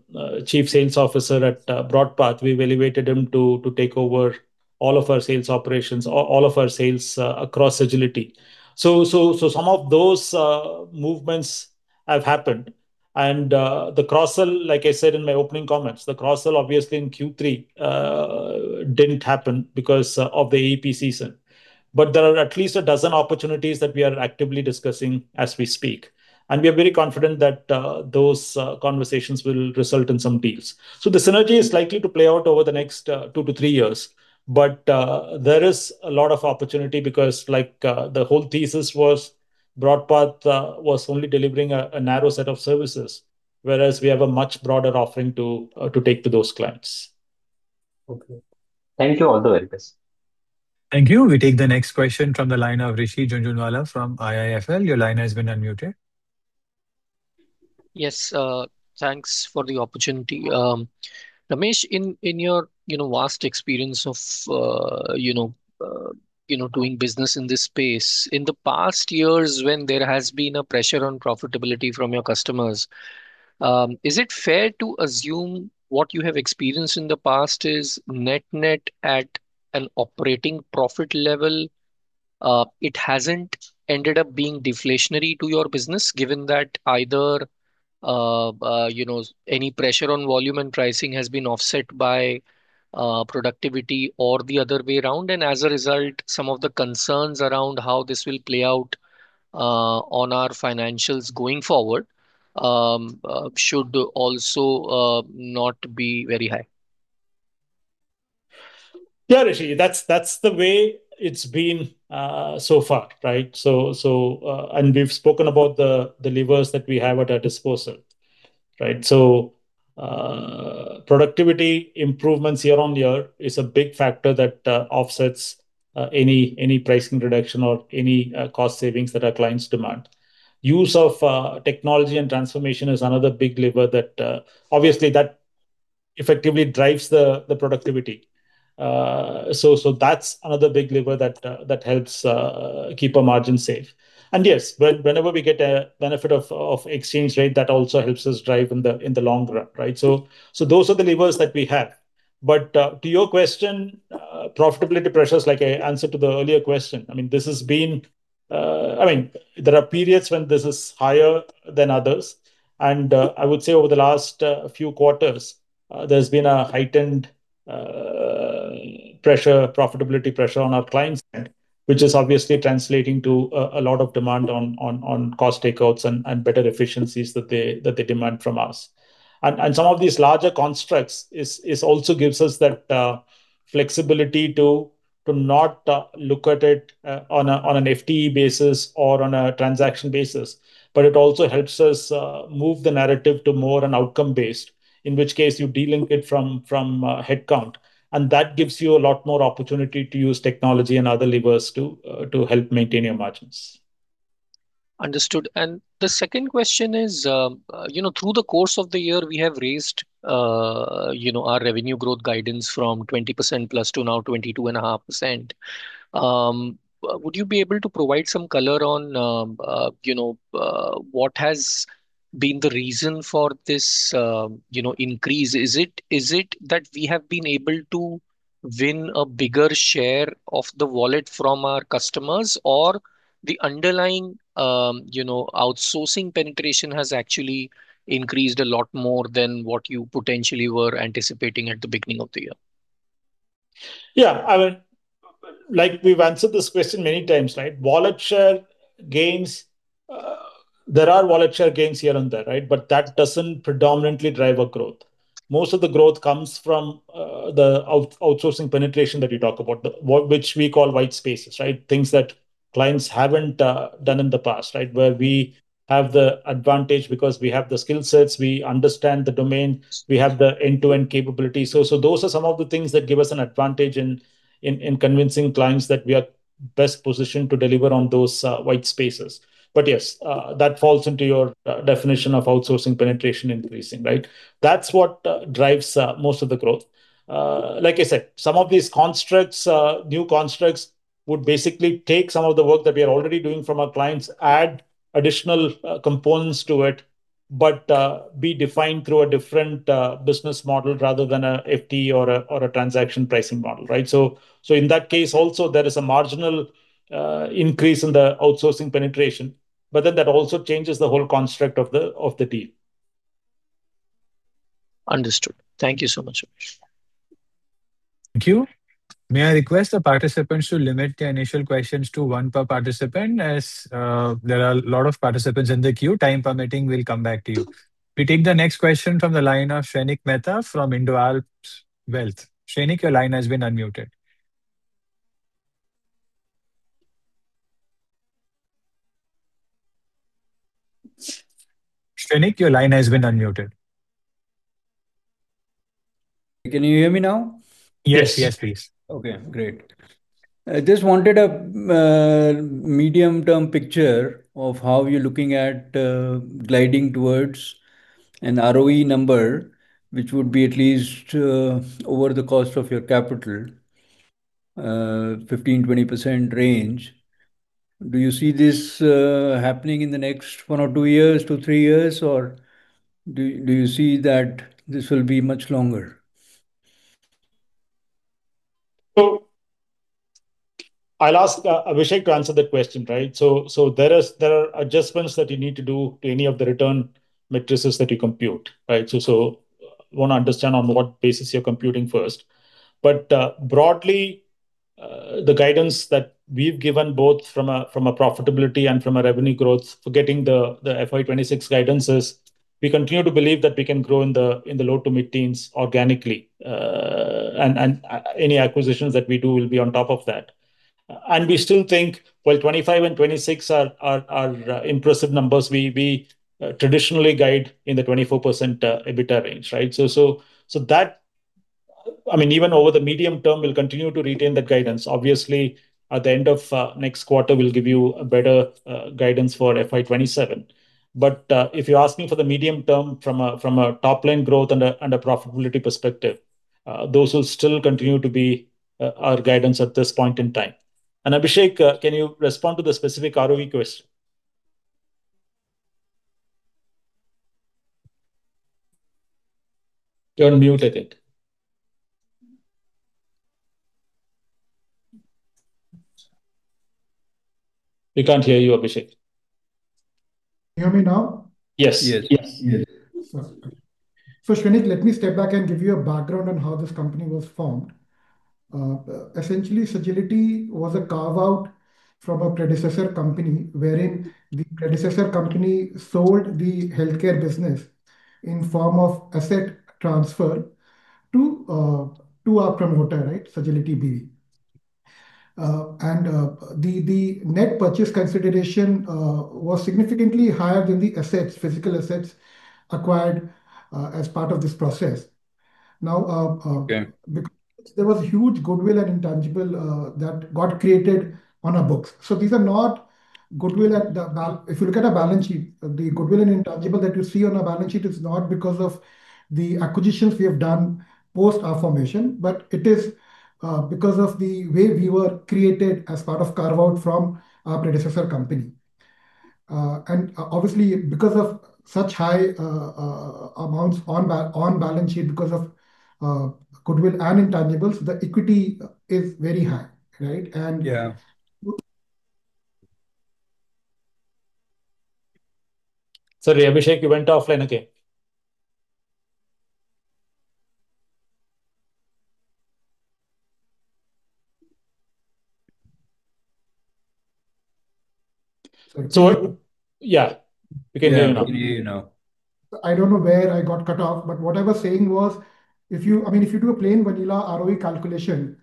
Chief Sales Officer at BroadPath, we elevated him to take over all of our sales operations, all of our sales across Sagility. So some of those movements have happened. And the cross-sell, like I said in my opening comments, the cross-sell, obviously, in Q3, didn't happen because of the AEP season. But there are at least a dozen opportunities that we are actively discussing as we speak, and we are very confident that those conversations will result in some deals. So the synergy is likely to play out over the next 2-3 years. But there is a lot of opportunity because, like, the whole thesis was BroadPath was only delivering a narrow set of services, whereas we have a much broader offering to to take to those clients.
Okay. Thank you all the very best.
Thank you. We take the next question from the line of Rishi Jhunjhunwala from IIFL. Your line has been unmuted.
Yes, thanks for the opportunity. Ramesh, in your you know vast experience of you know doing business in this space, in the past years when there has been a pressure on profitability from your customers, is it fair to assume what you have experienced in the past is net-net at an operating profit level, it hasn't ended up being deflationary to your business, given that either you know any pressure on volume and pricing has been offset by productivity or the other way around? And as a result, some of the concerns around how this will play out on our financials going forward should also not be very high.
Yeah, Rishi, that's, that's the way it's been so far, right? So, so, and we've spoken about the, the levers that we have at our disposal, right? So, productivity improvements year-on-year is a big factor that offsets any, any pricing reduction or any cost savings that our clients demand. Use of technology and transformation is another big lever that obviously that effectively drives the, the productivity. So, so that's another big lever that that helps keep our margin safe. And yes, whenever we get a benefit of, of exchange rate, that also helps us drive in the long run, right? So, so those are the levers that we have. But, to your question, profitability pressures, like I answered to the earlier question, I mean, this has been... I mean, there are periods when this is higher than others. I would say over the last few quarters, there's been a heightened profitability pressure on our clients, which is obviously translating to a lot of demand on cost takeouts and better efficiencies that they demand from us. Some of these larger constructs also gives us that flexibility to not look at it on an FTE basis or on a transaction basis, but it also helps us move the narrative to more an outcome based, in which case you delink it from headcount, and that gives you a lot more opportunity to use technology and other levers to help maintain your margins.
Understood. The second question is, you know, through the course of the year, we have raised, you know, our revenue growth guidance from 20% plus to now 22.5%. Would you be able to provide some color on, you know, what has been the reason for this, you know, increase? Is it, is it that we have been able to win a bigger share of the wallet from our customers, or the underlying, you know, outsourcing penetration has actually increased a lot more than what you potentially were anticipating at the beginning of the year?...
Yeah, I mean, like, we've answered this question many times, right? Volatility gains, there are volatility gains here and there, right? But that doesn't predominantly drive our growth. Most of the growth comes from the outsourcing penetration that you talk about, what we call white spaces, right? Things that clients haven't done in the past, right? Where we have the advantage because we have the skill sets, we understand the domain, we have the end-to-end capability. So those are some of the things that give us an advantage in convincing clients that we are best positioned to deliver on those white spaces. But yes, that falls into your definition of outsourcing penetration increasing, right? That's what drives most of the growth. Like I said, some of these constructs, new constructs, would basically take some of the work that we are already doing from our clients, add additional components to it, but be defined through a different business model rather than a FTE or a transaction pricing model, right? So, in that case, also, there is a marginal increase in the outsourcing penetration, but then that also changes the whole construct of the deal.
Understood. Thank you so much, Abhishek.
Thank you. May I request the participants to limit their initial questions to one per participant, as there are a lot of participants in the queue. Time permitting, we'll come back to you. We take the next question from the line of Shrenik Mehta from IndoAlps Wealth. Shrenik, your line has been unmuted. Shrenik, your line has been unmuted.
Can you hear me now?
Yes.
Yes, please.
Okay, great. I just wanted a medium-term picture of how you're looking at gliding towards an ROE number, which would be at least over the cost of your capital, 15%-20% range. Do you see this happening in the next one or two years to three years, or do you see that this will be much longer?
So I'll ask, Abhishek to answer that question, right? So there is, there are adjustments that you need to do to any of the return metrics that you compute, right? So I wanna understand on what basis you're computing first. But, broadly, the guidance that we've given, both from a profitability and from a revenue growth, forgetting the FY 2026 guidances, we continue to believe that we can grow in the low to mid-teens organically. And any acquisitions that we do will be on top of that. And we still think, while 25 and 26 are impressive numbers, we traditionally guide in the 24% EBITDA range, right? So that... I mean, even over the medium term, we'll continue to retain the guidance. Obviously, at the end of next quarter, we'll give you a better guidance for FY 27. But if you're asking for the medium term from a top-line growth and a profitability perspective, those will still continue to be our guidance at this point in time. And Abhishek, can you respond to the specific ROE question? You're on mute, I think. We can't hear you, Abhishek.
Can you hear me now?
Yes.
Yes.
Yes.
So Shrenik, let me step back and give you a background on how this company was formed. Essentially, Sagility was a carve-out from a predecessor company, wherein the predecessor company sold the healthcare business in form of asset transfer to our promoter, right? Sagility BV. And the net purchase consideration was significantly higher than the assets, physical assets acquired, as part of this process. Now,
Yeah...
there was huge goodwill and intangible that got created on our books. So these are not goodwill at the balance— If you look at our balance sheet, the goodwill and intangible that you see on our balance sheet is not because of the acquisitions we have done post our formation, but it is because of the way we were created as part of carve-out from our predecessor company. And obviously, because of such high amounts on balance sheet, because of goodwill and intangibles, the equity is very high, right? And-
Yeah.
Sorry, Abhishek, you went offline again. So, yeah, we can hear you now.
Yeah, we can hear you now.
I don't know where I got cut off, but what I was saying was, if you... I mean, if you do a plain vanilla ROE calculation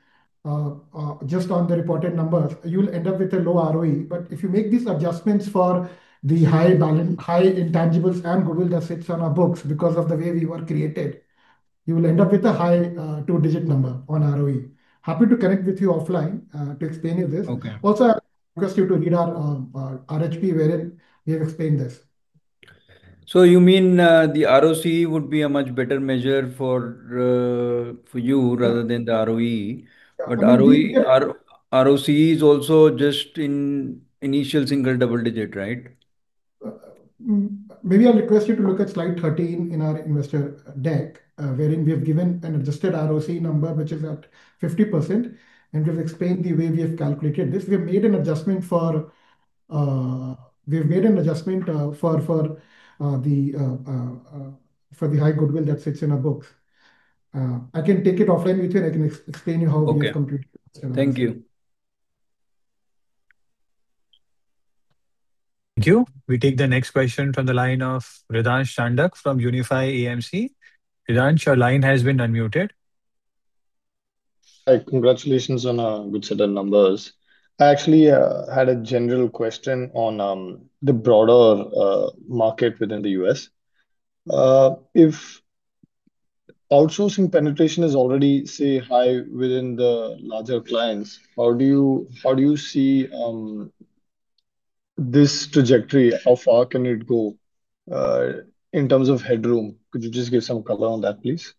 just on the reported numbers, you'll end up with a low ROE. But if you make these adjustments for the high intangibles and goodwill that sits on our books because of the way we were created, you will end up with a high two-digit number on ROE. Happy to connect with you offline to explain you this.
Okay.
Also, I request you to read our RHP, wherein we have explained this.
You mean, the ROC would be a much better measure for you, rather than the ROE?
Yeah.
But ROE... ROC is also just in initial single double digit, right?
Maybe I'll request you to look at slide 13 in our investor deck, wherein we have given an Adjusted ROC number, which is at 50%, and we've explained the way we have calculated this. We have made an adjustment for,... we've made an adjustment for the high goodwill that sits in our books. I can take it offline with you, and I can explain to you how we have completed-
Okay. Thank you.
Thank you. We take the next question from the line of Riddhansh Chandak from Unifi AMC. Riddhansh, your line has been unmuted.
Hi. Congratulations on a good set of numbers. I actually had a general question on the broader market within the U.S. If outsourcing penetration is already, say, high within the larger clients, how do you- how do you see this trajectory? How far can it go in terms of headroom? Could you just give some color on that, please?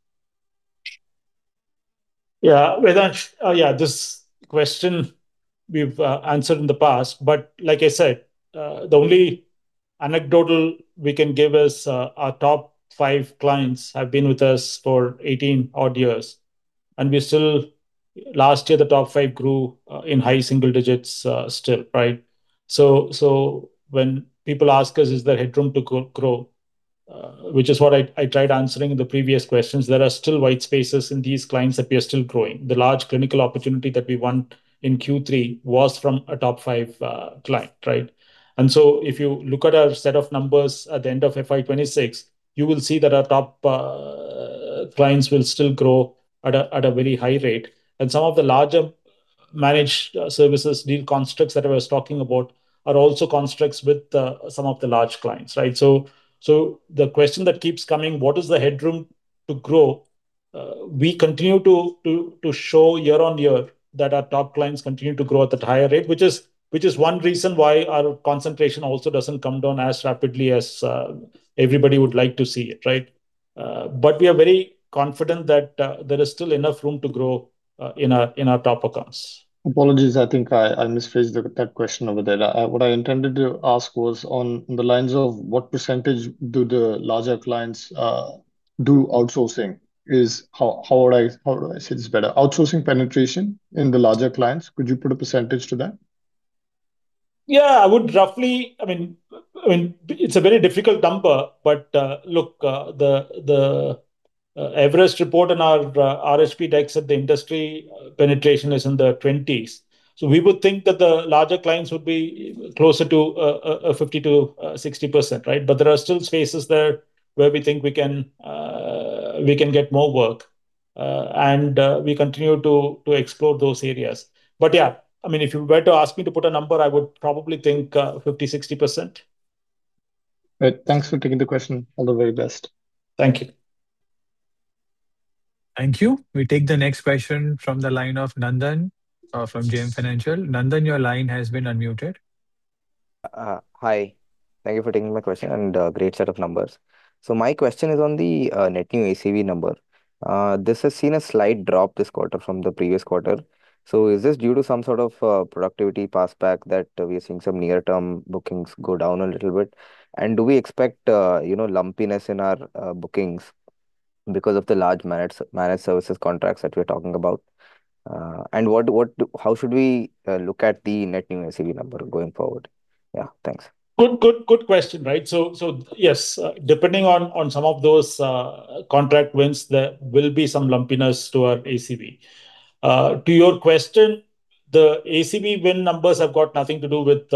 Yeah, Riddhansh, yeah, this question we've answered in the past, but like I said, the only anecdotal we can give is, our top five clients have been with us for 18-odd years, and we're still... Last year, the top five grew in high single digits, still, right? So when people ask us, "Is there headroom to grow?" which is what I tried answering in the previous questions, there are still white spaces in these clients that we are still growing. The large clinical opportunity that we won in Q3 was from a top-five client, right? And so if you look at our set of numbers at the end of FY2026, you will see that our top clients will still grow at a very high rate. Some of the larger managed services deal constructs that I was talking about are also constructs with some of the large clients, right? So the question that keeps coming: What is the headroom to grow? We continue to show year-over-year that our top clients continue to grow at a higher rate, which is one reason why our concentration also doesn't come down as rapidly as everybody would like to see it, right? But we are very confident that there is still enough room to grow in our top accounts.
Apologies, I think I misphrased that question over there. What I intended to ask was on the lines of: What percentage do the larger clients do outsourcing? How would I, how do I say this better? Outsourcing penetration in the larger clients, could you put a percentage to that?
Yeah, I would roughly. I mean, it's a very difficult number, but look, the Everest report on our RFP takes that the industry penetration is in the 20s. So we would think that the larger clients would be closer to a 50%-60%, right? But there are still spaces there where we think we can get more work. And we continue to explore those areas. But yeah, I mean, if you were to ask me to put a number, I would probably think 50-60%.
Right. Thanks for taking the question. All the very best.
Thank you.
Thank you. We take the next question from the line of Nandan from JM Financial. Nandan, your line has been unmuted.
Hi. Thank you for taking my question, and great set of numbers. So my question is on the net new ACV number. This has seen a slight drop this quarter from the previous quarter. So is this due to some sort of productivity passback that we are seeing some near-term bookings go down a little bit? And do we expect, you know, lumpiness in our bookings because of the large managed services contracts that we're talking about? And how should we look at the net new ACV number going forward? Yeah, thanks.
Good, good, good question, right? So, so yes, depending on, on some of those, contract wins, there will be some lumpiness to our ACV. To your question, the ACV win numbers have got nothing to do with,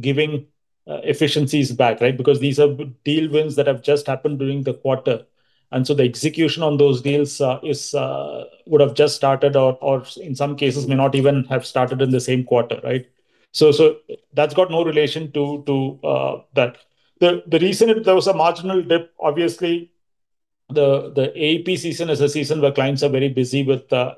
giving, efficiencies back, right? Because these are deal wins that have just happened during the quarter, and so the execution on those deals would have just started or, or in some cases may not even have started in the same quarter, right? So, so that's got no relation to, that. The reason there was a marginal dip, obviously, the AEP season is a season where clients are very busy with, their,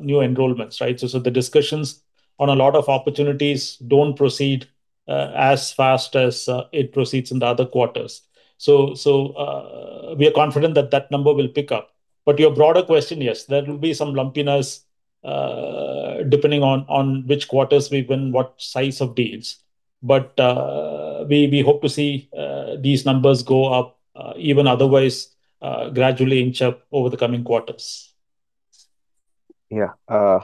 new enrollments, right? So, so the discussions on a lot of opportunities don't proceed, as fast as, it proceeds in the other quarters. So, we are confident that that number will pick up. But your broader question, yes, there will be some lumpiness, depending on which quarters we win what size of deals. But, we hope to see these numbers go up, even otherwise, gradually inch up over the coming quarters.
Yeah.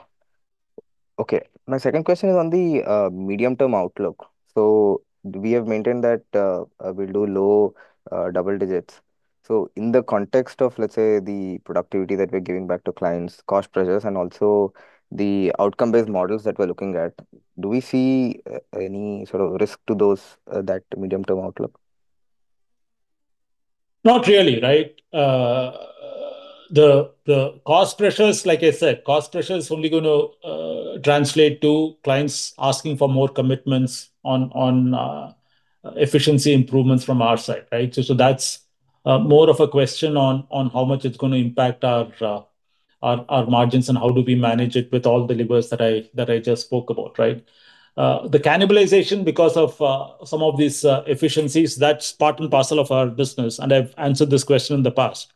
Okay. My second question is on the medium-term outlook. So we have maintained that we'll do low double digits. So in the context of, let's say, the productivity that we're giving back to clients, cost pressures, and also the outcome-based models that we're looking at, do we see any sort of risk to those that medium-term outlook?
Not really, right? The cost pressures, like I said, cost pressure is only gonna translate to clients asking for more commitments on efficiency improvements from our side, right? So that's more of a question on how much it's gonna impact our margins, and how do we manage it with all the levers that I just spoke about, right? The cannibalization because of some of these efficiencies, that's part and parcel of our business, and I've answered this question in the past.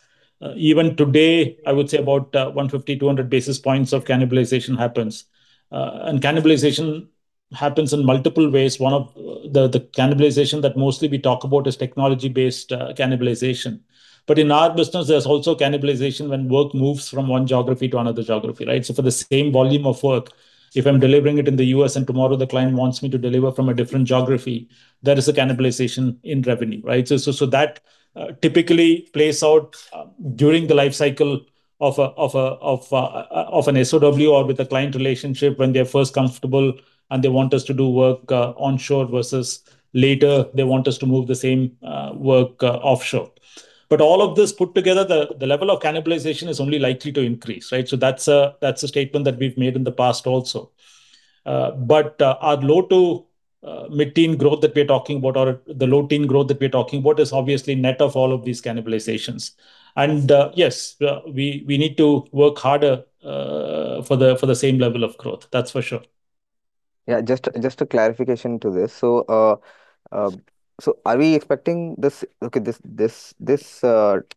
Even today, I would say about 150-200 basis points of cannibalization happens. And cannibalization happens in multiple ways. One of the cannibalization that mostly we talk about is technology-based cannibalization. But in our business, there's also cannibalization when work moves from one geography to another geography, right? So for the same volume of work, if I'm delivering it in the U.S., and tomorrow the client wants me to deliver from a different geography, there is a cannibalization in revenue, right? So that typically plays out during the life cycle of an SOW or with a client relationship when they're first comfortable and they want us to do work onshore versus later, they want us to move the same work offshore. But all of this put together, the level of cannibalization is only likely to increase, right? So that's a statement that we've made in the past also. But, our low to mid-teen growth that we're talking about, or the low-teen growth that we're talking about, is obviously net of all of these cannibalizations. And, yes, we, we need to work harder, for the, for the same level of growth. That's for sure.
Yeah, just a clarification to this. So, are we expecting this? Okay, this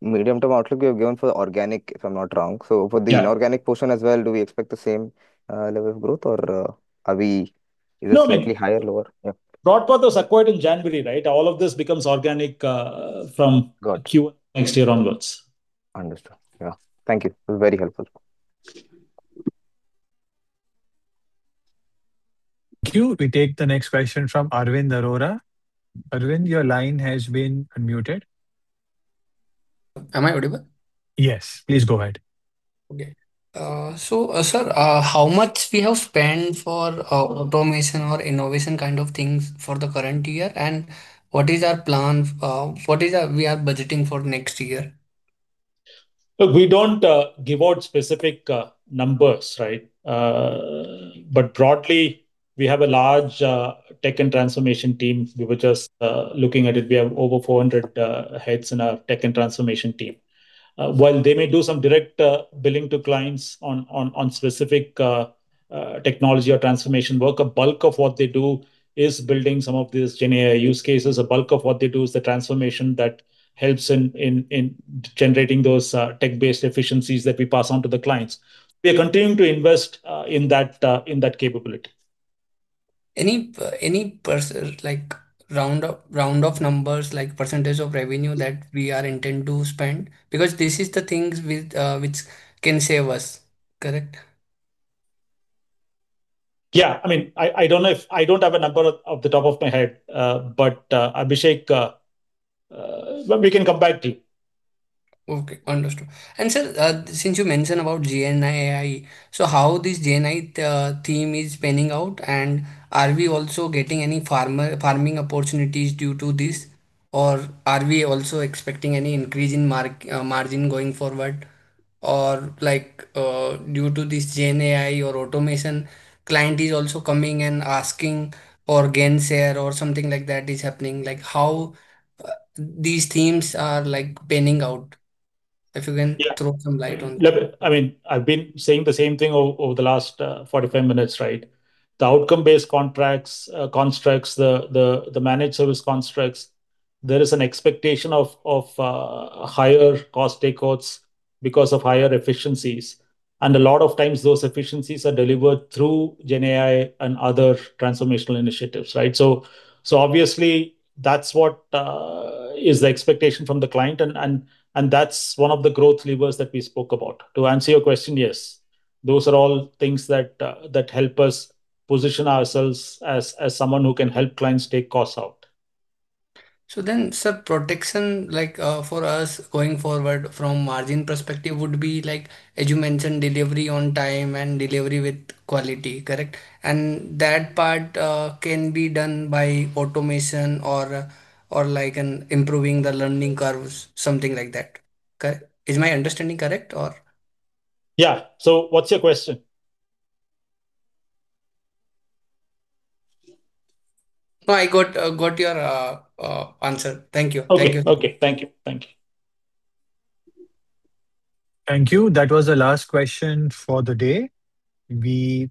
medium-term outlook you have given for the organic, if I'm not wrong.
Yeah.
So for the inorganic portion as well, do we expect the same level of growth? Or, are we-
No, no
slightly higher or lower? Yeah.
BroadPath was acquired in January, right? All of this becomes organic, from-
Got it...
Q1 next year onwards.
Understood. Yeah. Thank you. It was very helpful.
Thank you. We take the next question from Arvind Arora. Arvind, your line has been unmuted.
Am I audible?
Yes, please go ahead.
Okay. So, sir, how much we have spent for automation or innovation kind of things for the current year? And what is our plan-- what we are budgeting for next year?
Look, we don't give out specific numbers, right? But broadly, we have a large tech and transformation team. We were just looking at it. We have over 400 heads in our tech and transformation team. While they may do some direct billing to clients on specific technology or transformation work, a bulk of what they do is building some of these GenAI use cases. A bulk of what they do is the transformation that helps in generating those tech-based efficiencies that we pass on to the clients. We are continuing to invest in that capability.
Any, any like, round of, round of numbers, like percentage of revenue that we are intend to spend? Because this is the things which, which can save us, correct?
Yeah. I mean, I don't know if I have a number off the top of my head, but Abhishek, well, we can come back to you.
Okay. Understood. And sir, since you mentioned about GenAI, so how this GenAI theme is panning out, and are we also getting any farming opportunities due to this? Or are we also expecting any increase in margin going forward? Or like, due to this GenAI or automation, client is also coming and asking for gain share or something like that is happening. Like, how these themes are, like, panning out? If you can-
Yeah...
throw some light on it.
Yeah, I mean, I've been saying the same thing over the last 45 minutes, right? The outcome-based contracts constructs, the managed service constructs, there is an expectation of higher cost takeouts because of higher efficiencies, and a lot of times those efficiencies are delivered through GenAI and other transformational initiatives, right? So obviously, that's what is the expectation from the client, and that's one of the growth levers that we spoke about. To answer your question, yes, those are all things that help us position ourselves as someone who can help clients take costs out.
So then, sir, protection, like, for us going forward from margin perspective would be like, as you mentioned, delivery on time and delivery with quality, correct? And that part can be done by automation or, or like in improving the learning curves, something like that. Correct. Is my understanding correct, or?
Yeah. So what's your question?
No, I got your answer. Thank you.
Okay.
Thank you.
Okay. Thank you. Thank you.
Thank you. That was the last question for the day. We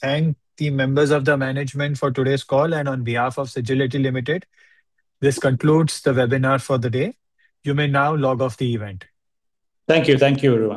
thank the members of the management for today's call, and on behalf of Sagility Limited, this concludes the webinar for the day. You may now log off the event.
Thank you. Thank you, everyone.